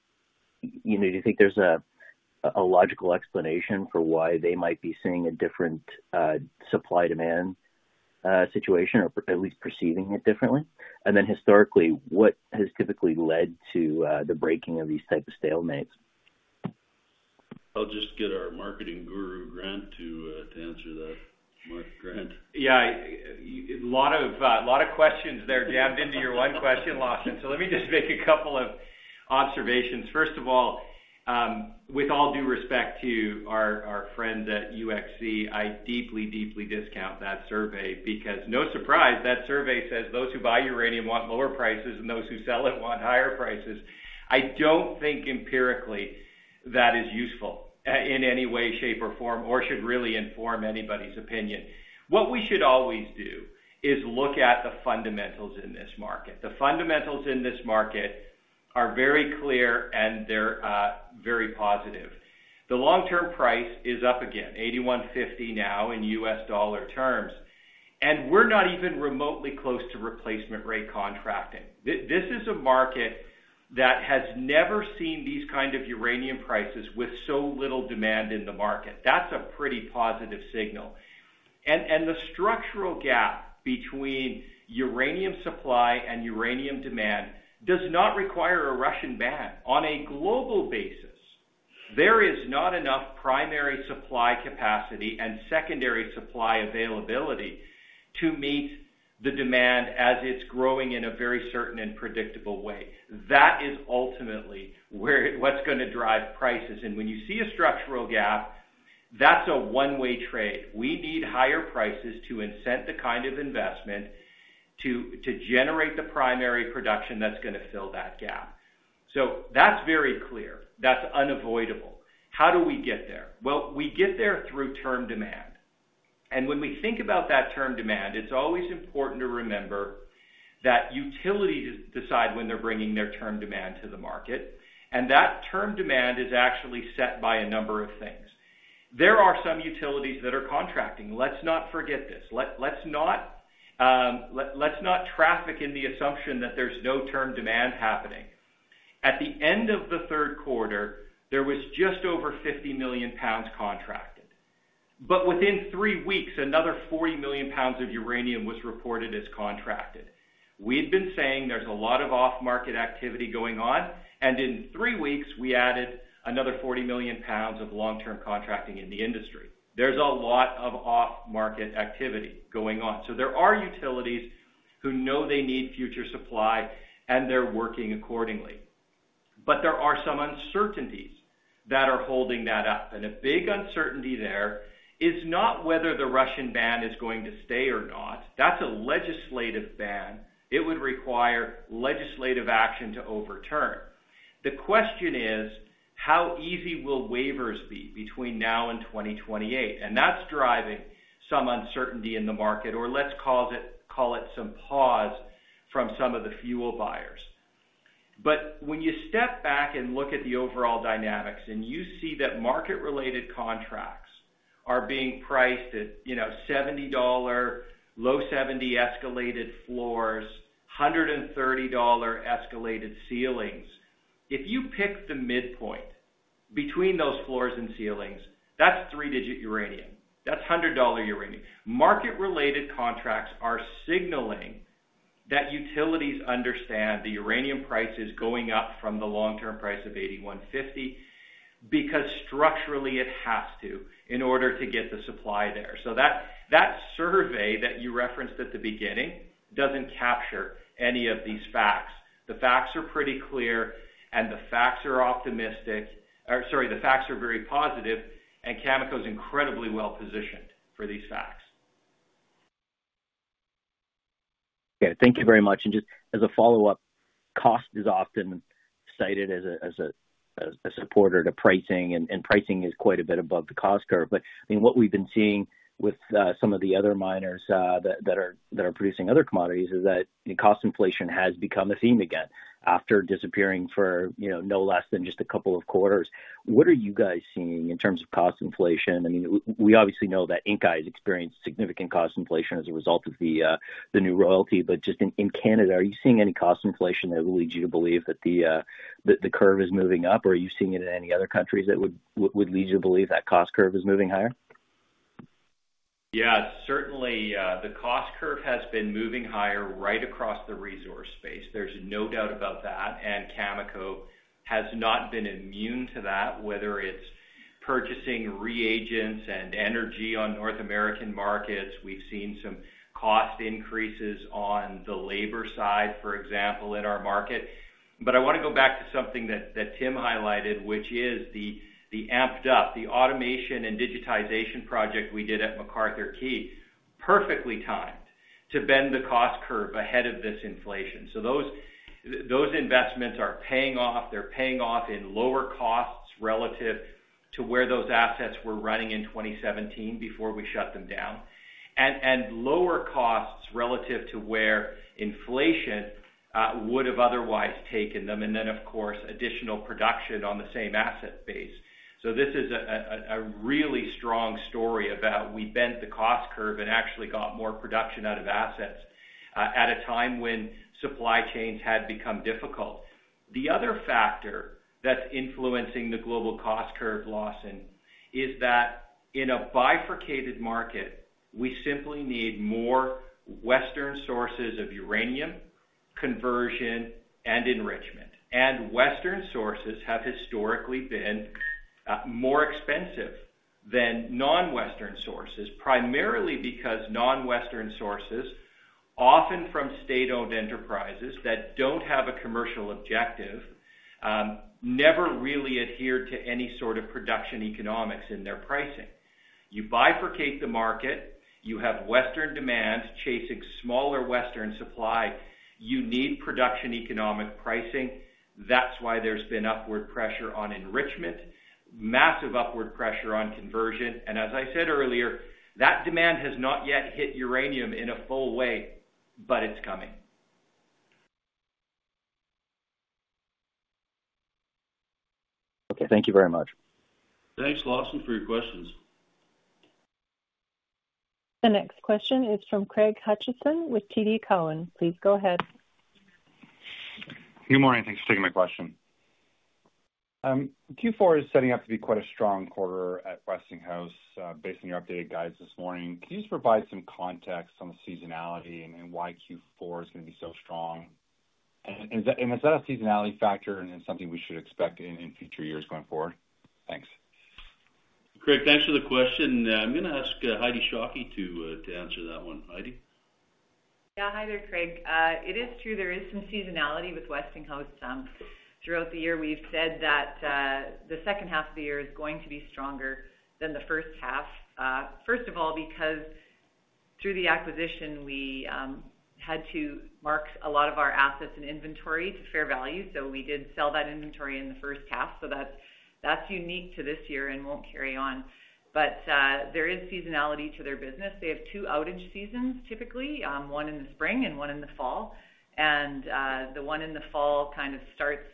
do you think there's a logical explanation for why they might be seeing a different supply-demand situation, or at least perceiving it differently? And then historically, what has typically led to the breaking of these types of stalemates? I'll just get our marketing guru, Grant, to answer that. Yeah, a lot of questions there jammed into your one question, Lawson. So let me just make a couple of observations. First of all, with all due respect to our friend at UxC, I deeply, deeply discount that survey because no surprise, that survey says those who buy uranium want lower prices and those who sell it want higher prices. I don't think empirically that is useful in any way, shape, or form, or should really inform anybody's opinion. What we should always do is look at the fundamentals in this market. The fundamentals in this market are very clear and they're very positive. The long-term price is up again, $81.50 now in US dollar terms. And we're not even remotely close to replacement rate contracting. This is a market that has never seen these kinds of uranium prices with so little demand in the market. That's a pretty positive signal. And the structural gap between uranium supply and uranium demand does not require a Russian ban. On a global basis, there is not enough primary supply capacity and secondary supply availability to meet the demand as it's growing in a very certain and predictable way. That is ultimately what's going to drive prices. And when you see a structural gap, that's a one-way trade. We need higher prices to incent the kind of investment to generate the primary production that's going to fill that gap. So that's very clear. That's unavoidable. How do we get there? Well, we get there through term demand. And when we think about that term demand, it's always important to remember that utilities decide when they're bringing their term demand to the market. And that term demand is actually set by a number of things. There are some utilities that are contracting. Let's not forget this. Let's not traffic in the assumption that there's no term demand happening. At the end of the third quarter, there was just over 50 million lbs contracted. But within three weeks, another 40 million lbs of uranium was reported as contracted. We had been saying there's a lot of off-market activity going on. And in three weeks, we added another 40 million lbs of long-term contracting in the industry. There's a lot of off-market activity going on. So there are utilities who know they need future supply, and they're working accordingly. But there are some uncertainties that are holding that up. And a big uncertainty there is not whether the Russian ban is going to stay or not. That's a legislative ban. It would require legislative action to overturn. The question is, how easy will waivers be between now and 2028? And that's driving some uncertainty in the market, or let's call it some pause from some of the fuel buyers. But when you step back and look at the overall dynamics, and you see that market-related contracts are being priced at $70, low $70 escalated floors, $130 escalated ceilings. If you pick the midpoint between those floors and ceilings, that's three-digit uranium. That's $100 uranium. Market-related contracts are signaling that utilities understand the uranium price is going up from the long-term price of $81.50 because structurally it has to in order to get the supply there. So that survey that you referenced at the beginning doesn't capture any of these facts. The facts are pretty clear, and the facts are optimistic. Sorry, the facts are very positive, and Cameco is incredibly well positioned for these facts. Okay. Thank you very much. And just as a follow-up, cost is often cited as a supporter to pricing, and pricing is quite a bit above the cost curve. But I mean, what we've been seeing with some of the other miners that are producing other commodities is that cost inflation has become a theme again after disappearing for no less than just a couple of quarters. What are you guys seeing in terms of cost inflation? I mean, we obviously know that Inkai has experienced significant cost inflation as a result of the new royalty. But just in Canada, are you seeing any cost inflation that will lead you to believe that the curve is moving up? Or are you seeing it in any other countries that would lead you to believe that cost curve is moving higher? Yeah, certainly. The cost curve has been moving higher right across the resource space. There's no doubt about that. And Cameco has not been immune to that, whether it's purchasing reagents and energy on North American markets. We've seen some cost increases on the labor side, for example, in our market. But I want to go back to something that Tim highlighted, which is the amped up, the automation and digitization project we did at McArthur River Key Lake, perfectly timed to bend the cost curve ahead of this inflation. Those investments are paying off. They're paying off in lower costs relative to where those assets were running in 2017 before we shut them down, and lower costs relative to where inflation would have otherwise taken them, and then, of course, additional production on the same asset base. This is a really strong story about we bent the cost curve and actually got more production out of assets at a time when supply chains had become difficult. The other factor that's influencing the global cost curve, Lawson, is that in a bifurcated market, we simply need more Western sources of uranium conversion and enrichment. And Western sources have historically been more expensive than non-Western sources, primarily because non-Western sources, often from state-owned enterprises that don't have a commercial objective, never really adhered to any sort of production economics in their pricing. You bifurcate the market. You have Western demand chasing smaller Western supply. You need production economic pricing. That's why there's been upward pressure on enrichment, massive upward pressure on conversion. And as I said earlier, that demand has not yet hit uranium in a full way, but it's coming. Okay. Thank you very much. Thanks, Lawson, for your questions. The next question is from Craig Hutchison with TD Cowen. Please go ahead. Good morning. Thanks for taking my question. Q4 is setting up to be quite a strong quarter at Westinghouse based on your updated guides this morning. Can you just provide some context on the seasonality and why Q4 is going to be so strong? And is that a seasonality factor and something we should expect in future years going forward? Thanks. Craig, thanks for the question. I'm going to ask Heidi Shockey to answer that one. Heidi? Yeah. Hi there, Craig. It is true there is some seasonality with Westinghouse throughout the year. We've said that the second half of the year is going to be stronger than the first half. First of all, because through the acquisition, we had to mark a lot of our assets and inventory to fair value. So we did sell that inventory in the first half. So that's unique to this year and won't carry on. But there is seasonality to their business. They have two outage seasons typically, one in the spring and one in the fall. And the one in the fall kind of starts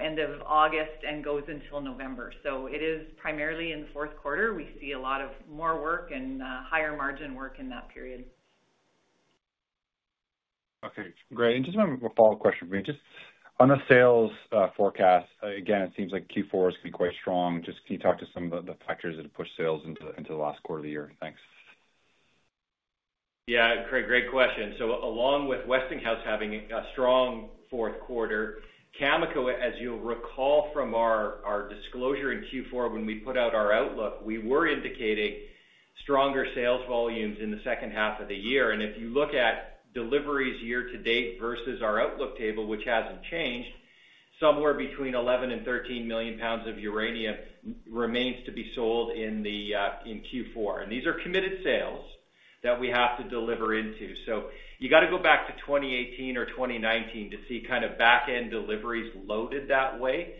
end of August and goes until November. So it is primarily in the fourth quarter. We see a lot of more work and higher margin work in that period. Okay. Great. And just a follow-up question for me. Just on the sales forecast, again, it seems like Q4 is going to be quite strong. Just can you talk to some of the factors that have pushed sales into the last quarter of the year? Thanks. Yeah. Great question. So along with Westinghouse having a strong fourth quarter, Cameco, as you'll recall from our disclosure in Q4, when we put out our outlook, we were indicating stronger sales volumes in the second half of the year. And if you look at deliveries year to date versus our outlook table, which hasn't changed, somewhere between 11 and 13 million lbs of uranium remains to be sold in Q4. And these are committed sales that we have to deliver into. So you got to go back to 2018 or 2019 to see kind of back-end deliveries loaded that way.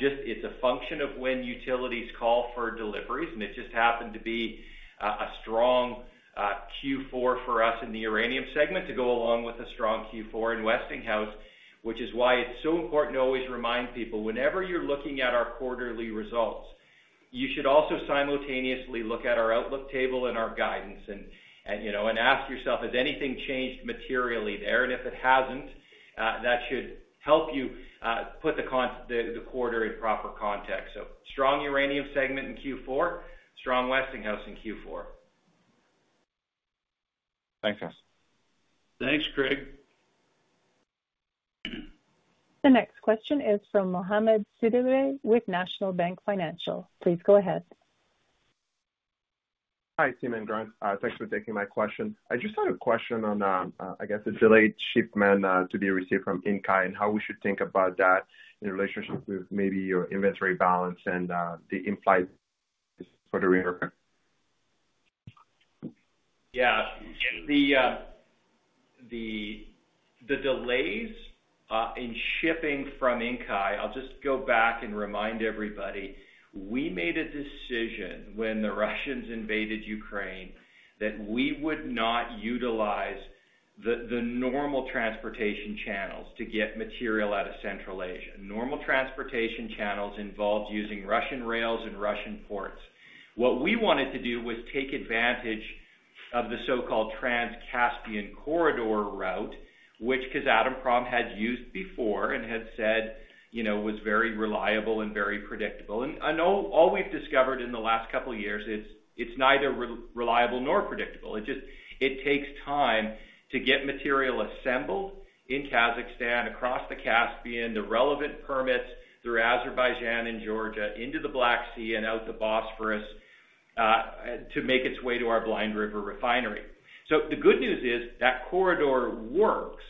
It's a function of when utilities call for deliveries. It just happened to be a strong Q4 for us in the uranium segment to go along with a strong Q4 in Westinghouse, which is why it's so important to always remind people whenever you're looking at our quarterly results, you should also simultaneously look at our outlook table and our guidance and ask yourself, has anything changed materially there? And if it hasn't, that should help you put the quarter in proper context. So strong uranium segment in Q4, strong Westinghouse in Q4. Thanks, guys. Thanks, Craig. The next question is from Mohamed Sidibé with National Bank Financial. Please go ahead. Hi, Tim and Grant. Thanks for taking my question. I just had a question on, I guess, the delayed shipment to be received from Inkai and how we should think about that in relationship with maybe your inventory balance and the implied for the year? Yeah. The delays in shipping from Inkai. I'll just go back and remind everybody. We made a decision when the Russians invaded Ukraine that we would not utilize the normal transportation channels to get material out of Central Asia. Normal transportation channels involved using Russian rails and Russian ports. What we wanted to do was take advantage of the so-called Trans-Caspian Corridor route, which Kazatomprom had used before and had said was very reliable and very predictable. And all we've discovered in the last couple of years, it's neither reliable nor predictable. It takes time to get material assembled in Kazakhstan, across the Caspian, the relevant permits through Azerbaijan and Georgia into the Black Sea and out the Bosphorus to make its way to our Blind River Refinery. So the good news is that corridor works,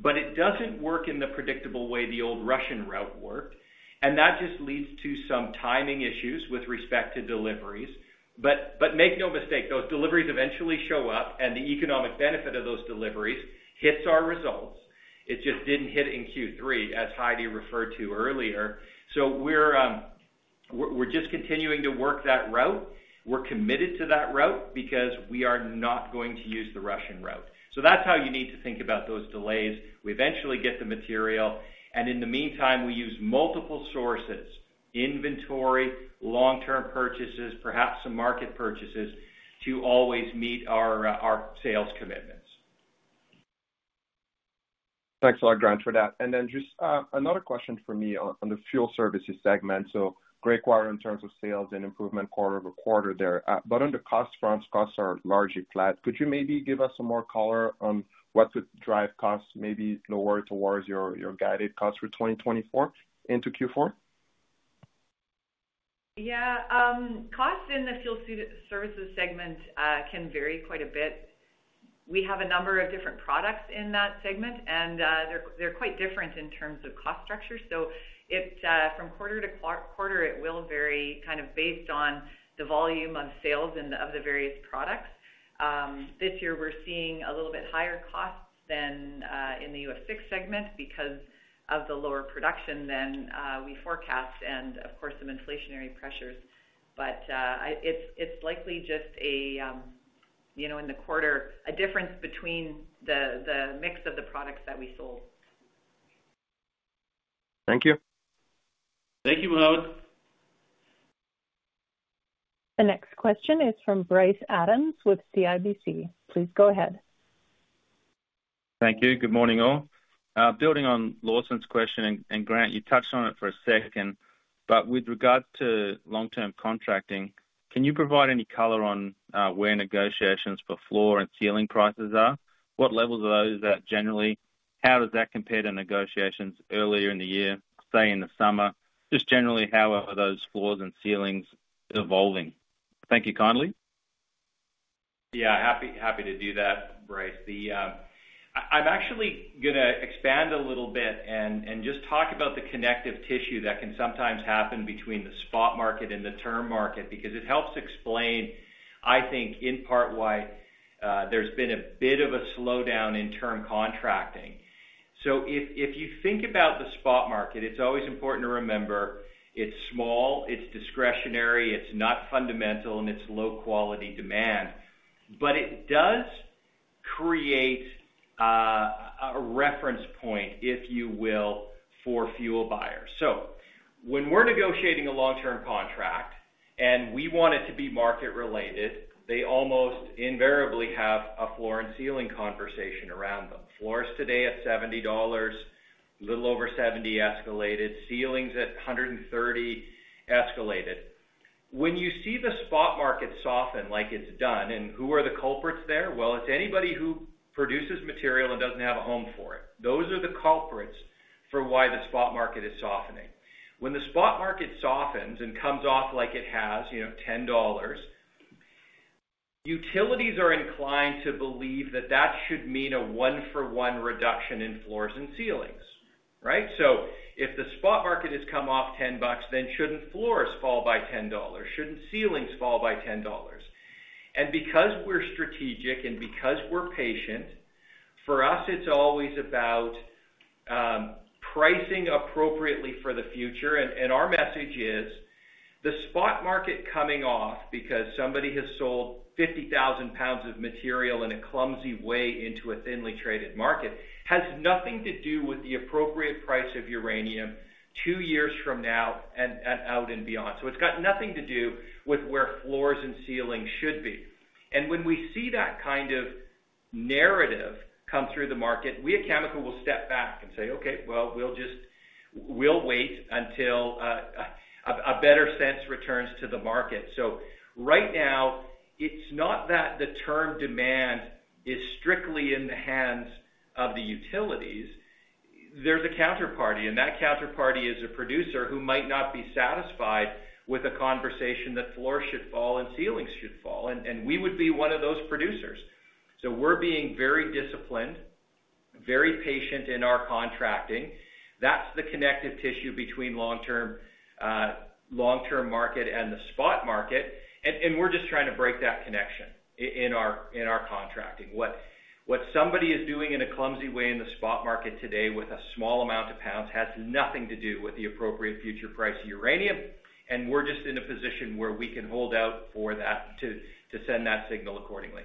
but it doesn't work in the predictable way the old Russian route worked. That just leads to some timing issues with respect to deliveries. Make no mistake, those deliveries eventually show up, and the economic benefit of those deliveries hits our results. It just didn't hit in Q3, as Heidi referred to earlier. We're just continuing to work that route. We're committed to that route because we are not going to use the Russian route. That's how you need to think about those delays. We eventually get the material. In the meantime, we use multiple sources: inventory, long-term purchases, perhaps some market purchases to always meet our sales commitments. Thanks a lot, Grant, for that. Just another question for me on the fuel services segment. Great quarter in terms of sales and improvement quarter over quarter there. On the cost fronts, costs are largely flat. Could you maybe give us some more color on what could drive costs maybe lower towards your guided costs for 2024 into Q4? Yeah. Costs in the fuel services segment can vary quite a bit. We have a number of different products in that segment, and they're quite different in terms of cost structure. So from quarter to quarter, it will vary kind of based on the volume of sales and of the various products. This year, we're seeing a little bit higher costs than in the Uranium segment because of the lower production than we forecast and, of course, some inflationary pressures. But it's likely just in the quarter, a difference between the mix of the products that we sold. Thank you. Thank you, Mohamed. The next question is from Bryce Adams with CIBC. Please go ahead. Thank you. Good morning, all. Building on Lawson's question, and Grant, you touched on it for a second, but with regard to long-term contracting, can you provide any color on where negotiations for floor and ceiling prices are? What levels are those at generally? How does that compare to negotiations earlier in the year, say in the summer? Just generally, how are those floors and ceilings evolving? Thank you kindly. Yeah. Happy to do that, Bryce. I'm actually going to expand a little bit and just talk about the connective tissue that can sometimes happen between the spot market and the term market because it helps explain, I think, in part why there's been a bit of a slowdown in term contracting. So if you think about the spot market, it's always important to remember it's small, it's discretionary, it's not fundamental, and it's low-quality demand. But it does create a reference point, if you will, for fuel buyers. So when we're negotiating a long-term contract and we want it to be market-related, they almost invariably have a floor and ceiling conversation around them. Floors today at $70, a little over $70 escalated, ceilings at $130 escalated. When you see the spot market soften like it's done, and who are the culprits there? Well, it's anybody who produces material and doesn't have a home for it. Those are the culprits for why the spot market is softening. When the spot market softens and comes off like it has $10, utilities are inclined to believe that that should mean a one-for-one reduction in floors and ceilings, right? So if the spot market has come off $10, then shouldn't floors fall by $10? Shouldn't ceilings fall by $10? And because we're strategic and because we're patient, for us, it's always about pricing appropriately for the future. And our message is the spot market coming off because somebody has sold 50,000 lbs of material in a clumsy way into a thinly traded market has nothing to do with the appropriate price of uranium two years from now and out and beyond. So it's got nothing to do with where floors and ceilings should be. And when we see that kind of narrative come through the market, we at Cameco will step back and say, "Okay, well, we'll wait until a better sense returns to the market." So right now, it's not that the term demand is strictly in the hands of the utilities. There's a counterparty, and that counterparty is a producer who might not be satisfied with a conversation that floors should fall and ceilings should fall. We would be one of those producers. So we're being very disciplined, very patient in our contracting. That's the connective tissue between long-term market and the spot market. And we're just trying to break that connection in our contracting. What somebody is doing in a clumsy way in the spot market today with a small amount of pounds has nothing to do with the appropriate future price of uranium. And we're just in a position where we can hold out for that to send that signal accordingly.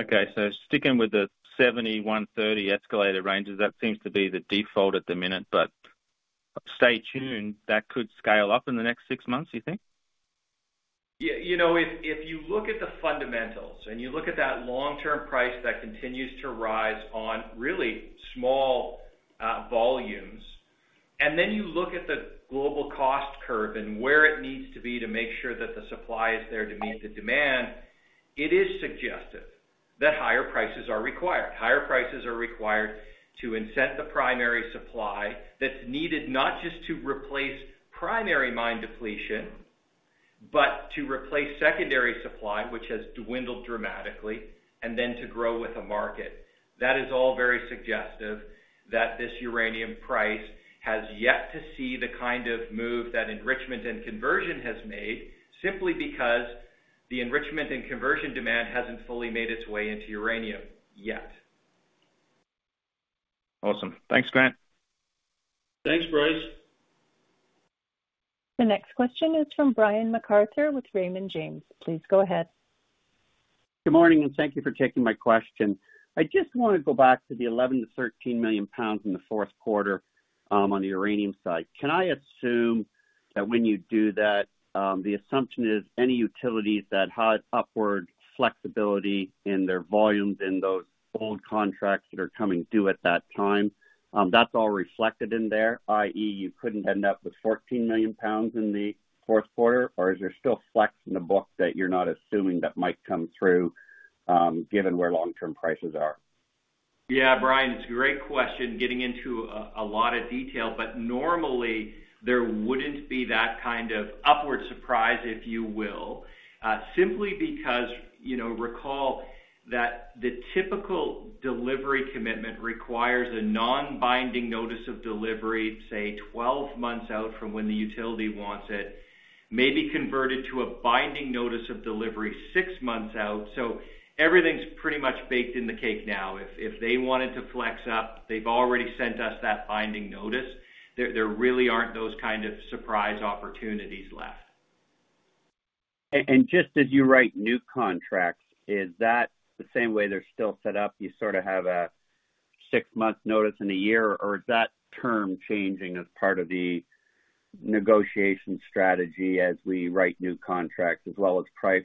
Okay. So sticking with the $70-$130 escalated ranges, that seems to be the default at the minute. But stay tuned. That could scale up in the next six months, you think? Yeah. If you look at the fundamentals and you look at that long-term price that continues to rise on really small volumes, and then you look at the global cost curve and where it needs to be to make sure that the supply is there to meet the demand, it is suggestive that higher prices are required. Higher prices are required to incent the primary supply that's needed not just to replace primary mine depletion, but to replace secondary supply, which has dwindled dramatically, and then to grow with a market. That is all very suggestive that this uranium price has yet to see the kind of move that enrichment and conversion has made simply because the enrichment and conversion demand hasn't fully made its way into uranium yet. Awesome. Thanks, Grant. Thanks, Bryce. The next question is from Brian MacArthur with Raymond James. Please go ahead. Good morning, and thank you for taking my question. I just want to go back to the 11-13 million lbs in the fourth quarter on the uranium side. Can I assume that when you do that, the assumption is any utilities that had upward flexibility in their volumes in those old contracts that are coming due at that time, that's all reflected in there, i.e., you couldn't end up with 14 million lbs in the fourth quarter, or is there still flex in the book that you're not assuming that might come through given where long-term prices are? Yeah, Brian, it's a great question getting into a lot of detail, but normally there wouldn't be that kind of upward surprise, if you will, simply because recall that the typical delivery commitment requires a non-binding notice of delivery, say, 12 months out from when the utility wants it, maybe converted to a binding notice of delivery six months out. So everything's pretty much baked in the cake now. If they wanted to flex up, they've already sent us that binding notice. There really aren't those kind of surprise opportunities left. And just as you write new contracts, is that the same way they're still set up? You sort of have a six-month notice in a year, or is that term changing as part of the negotiation strategy as we write new contracts as well as price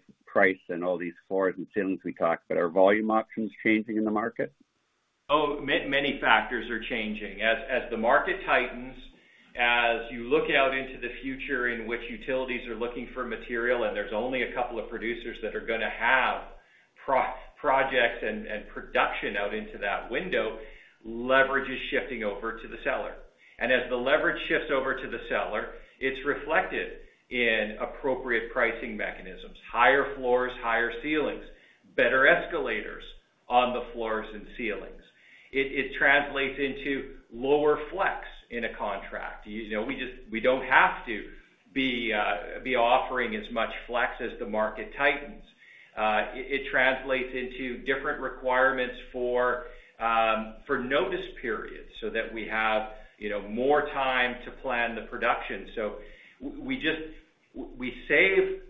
and all these floors and ceilings we talked about? Are volume options changing in the market? Oh, many factors are changing. As the market tightens, as you look out into the future in which utilities are looking for material and there's only a couple of producers that are going to have projects and production out into that window, leverage is shifting over to the seller. And as the leverage shifts over to the seller, it's reflected in appropriate pricing mechanisms: higher floors, higher ceilings, better escalators on the floors and ceilings. It translates into lower flex in a contract. We don't have to be offering as much flex as the market tightens. It translates into different requirements for notice periods so that we have more time to plan the production. So we save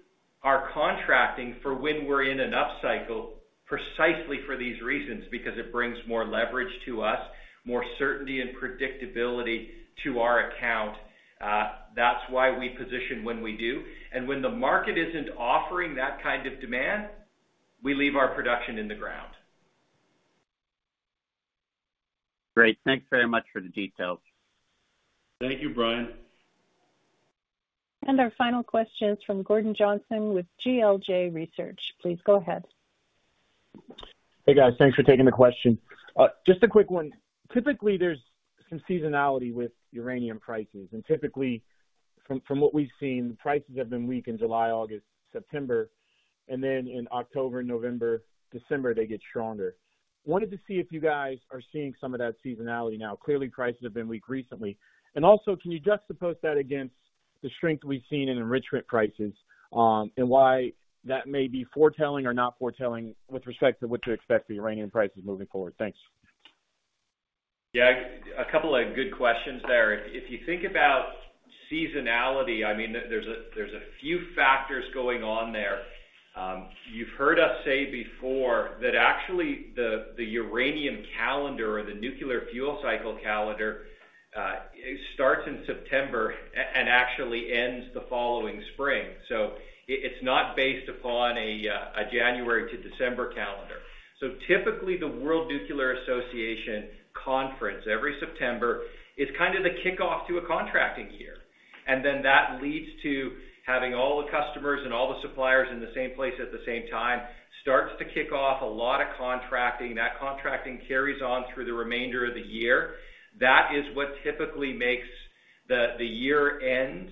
our contracting for when we're in an upcycle precisely for these reasons because it brings more leverage to us, more certainty and predictability to our account. That's why we position when we do. And when the market isn't offering that kind of demand, we leave our production in the ground. Great. Thanks very much for the details. Thank you, Brian. And our final question is from Gordon Johnson with GLJ Research. Please go ahead. Hey, guys. Thanks for taking the question. Just a quick one. Typically, there's some seasonality with uranium prices. And typically, from what we've seen, prices have been weak in July, August, September, and then in October, November, December, they get stronger. Wanted to see if you guys are seeing some of that seasonality now. Clearly, prices have been weak recently. And also, can you juxtapose that against the strength we've seen in enrichment prices and why that may be foretelling or not foretelling with respect to what to expect the uranium prices moving forward? Thanks. Yeah. A couple of good questions there. If you think about seasonality, I mean, there's a few factors going on there. You've heard us say before that actually the uranium calendar or the nuclear fuel cycle calendar starts in September and actually ends the following spring. So it's not based upon a January to December calendar. So typically, the World Nuclear Association Conference every September is kind of the kickoff to a contracting year. And then that leads to having all the customers and all the suppliers in the same place at the same time, starts to kick off a lot of contracting. That contracting carries on through the remainder of the year. That is what typically makes the year end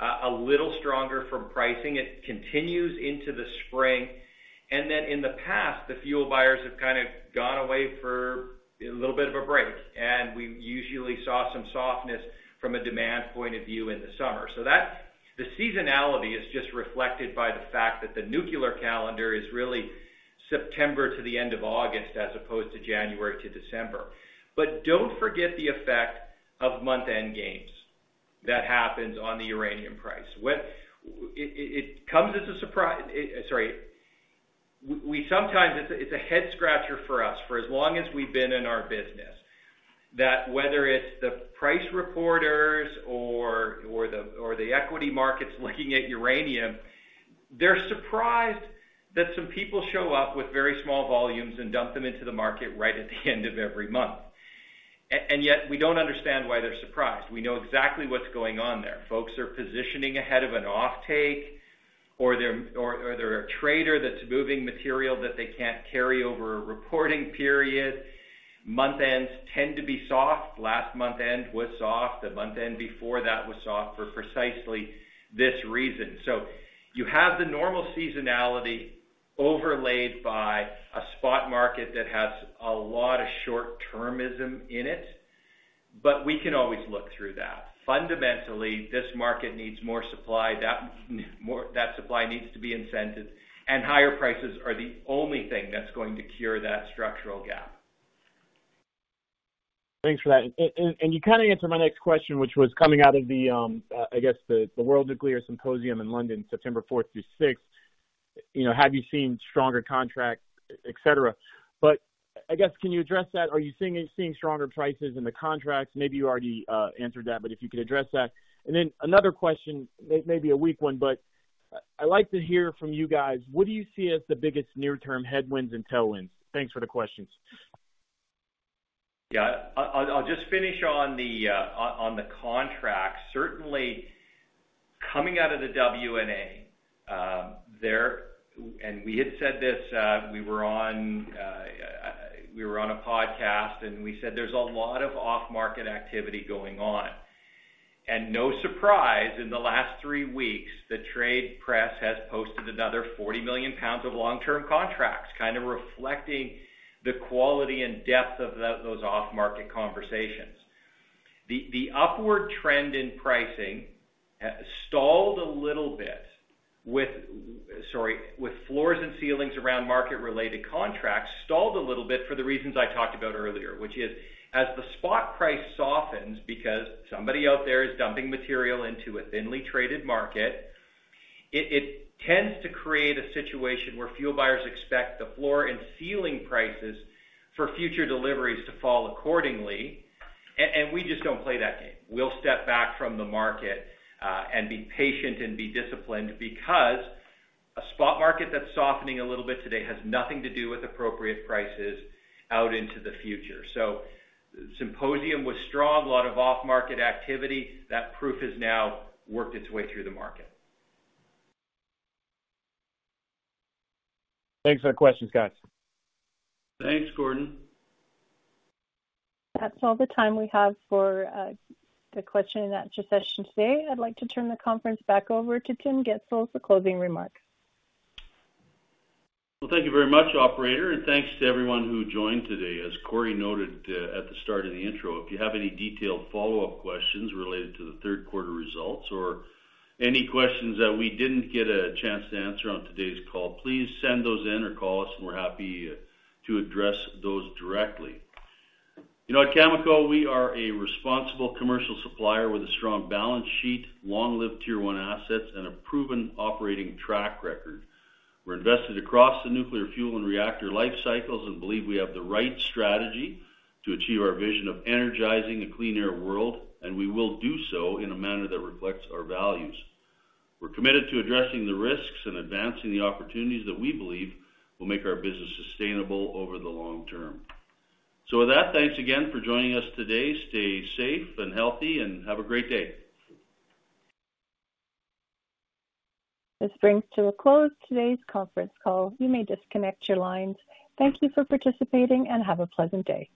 a little stronger for pricing. It continues into the spring. And then in the past, the fuel buyers have kind of gone away for a little bit of a break. We usually saw some softness from a demand point of view in the summer. The seasonality is just reflected by the fact that the nuclear calendar is really September to the end of August as opposed to January to December. Don't forget the effect of month-end games that happens on the uranium price. It comes as a surprise. Sorry. It's a head-scratcher for us for as long as we've been in our business that whether it's the price reporters or the equity markets looking at uranium, they're surprised that some people show up with very small volumes and dump them into the market right at the end of every month. Yet, we don't understand why they're surprised. We know exactly what's going on there. Folks are positioning ahead of an offtake, or there are traders that's moving material that they can't carry over a reporting period. Month-ends tend to be soft. Last month-end was soft. The month-end before that was soft for precisely this reason. So you have the normal seasonality overlaid by a spot market that has a lot of short-termism in it, but we can always look through that. Fundamentally, this market needs more supply. That supply needs to be incentived. And higher prices are the only thing that's going to cure that structural gap. Thanks for that. And you kind of answered my next question, which was coming out of the, I guess, the World Nuclear Symposium in London, September 4th through 6th. Have you seen stronger contracts, etc.? But I guess, can you address that? Are you seeing stronger prices in the contracts? Maybe you already answered that, but if you could address that. And then another question, maybe a weak one, but I'd like to hear from you guys. What do you see as the biggest near-term headwinds and tailwinds? Thanks for the questions. Yeah. I'll just finish on the contracts. Certainly, coming out of the WNA, and we had said this, we were on a podcast, and we said there's a lot of off-market activity going on, and no surprise, in the last three weeks, the trade press has posted another 40 million lbs of long-term contracts, kind of reflecting the quality and depth of those off-market conversations. The upward trend in pricing stalled a little bit with floors and ceilings around market-related contracts, stalled a little bit for the reasons I talked about earlier, which is as the spot price softens because somebody out there is dumping material into a thinly traded market, it tends to create a situation where fuel buyers expect the floor and ceiling prices for future deliveries to fall accordingly. And we just don't play that game. We'll step back from the market and be patient and be disciplined because a spot market that's softening a little bit today has nothing to do with appropriate prices out into the future. So the symposium was strong, a lot of off-market activity. That proof has now worked its way through the market. Thanks for the questions, guys. Thanks, Gordon. That's all the time we have for the question and answer session today. I'd like to turn the conference back over to Tim Gitzel for closing remarks. Well, thank you very much, Operator. And thanks to everyone who joined today. As Cory noted at the start of the intro, if you have any detailed follow-up questions related to the third-quarter results or any questions that we didn't get a chance to answer on today's call, please send those in or call us, and we're happy to address those directly. At Cameco, we are a responsible commercial supplier with a strong balance sheet, long-lived tier one assets, and a proven operating track record. We're invested across the nuclear fuel and reactor life cycles and believe we have the right strategy to achieve our vision of energizing a cleaner world, and we will do so in a manner that reflects our values. We're committed to addressing the risks and advancing the opportunities that we believe will make our business sustainable over the long term. So with that, thanks again for joining us today. Stay safe and healthy, and have a great day. This brings to a close today's conference call. You may disconnect your lines. Thank you for participating and have a pleasant day.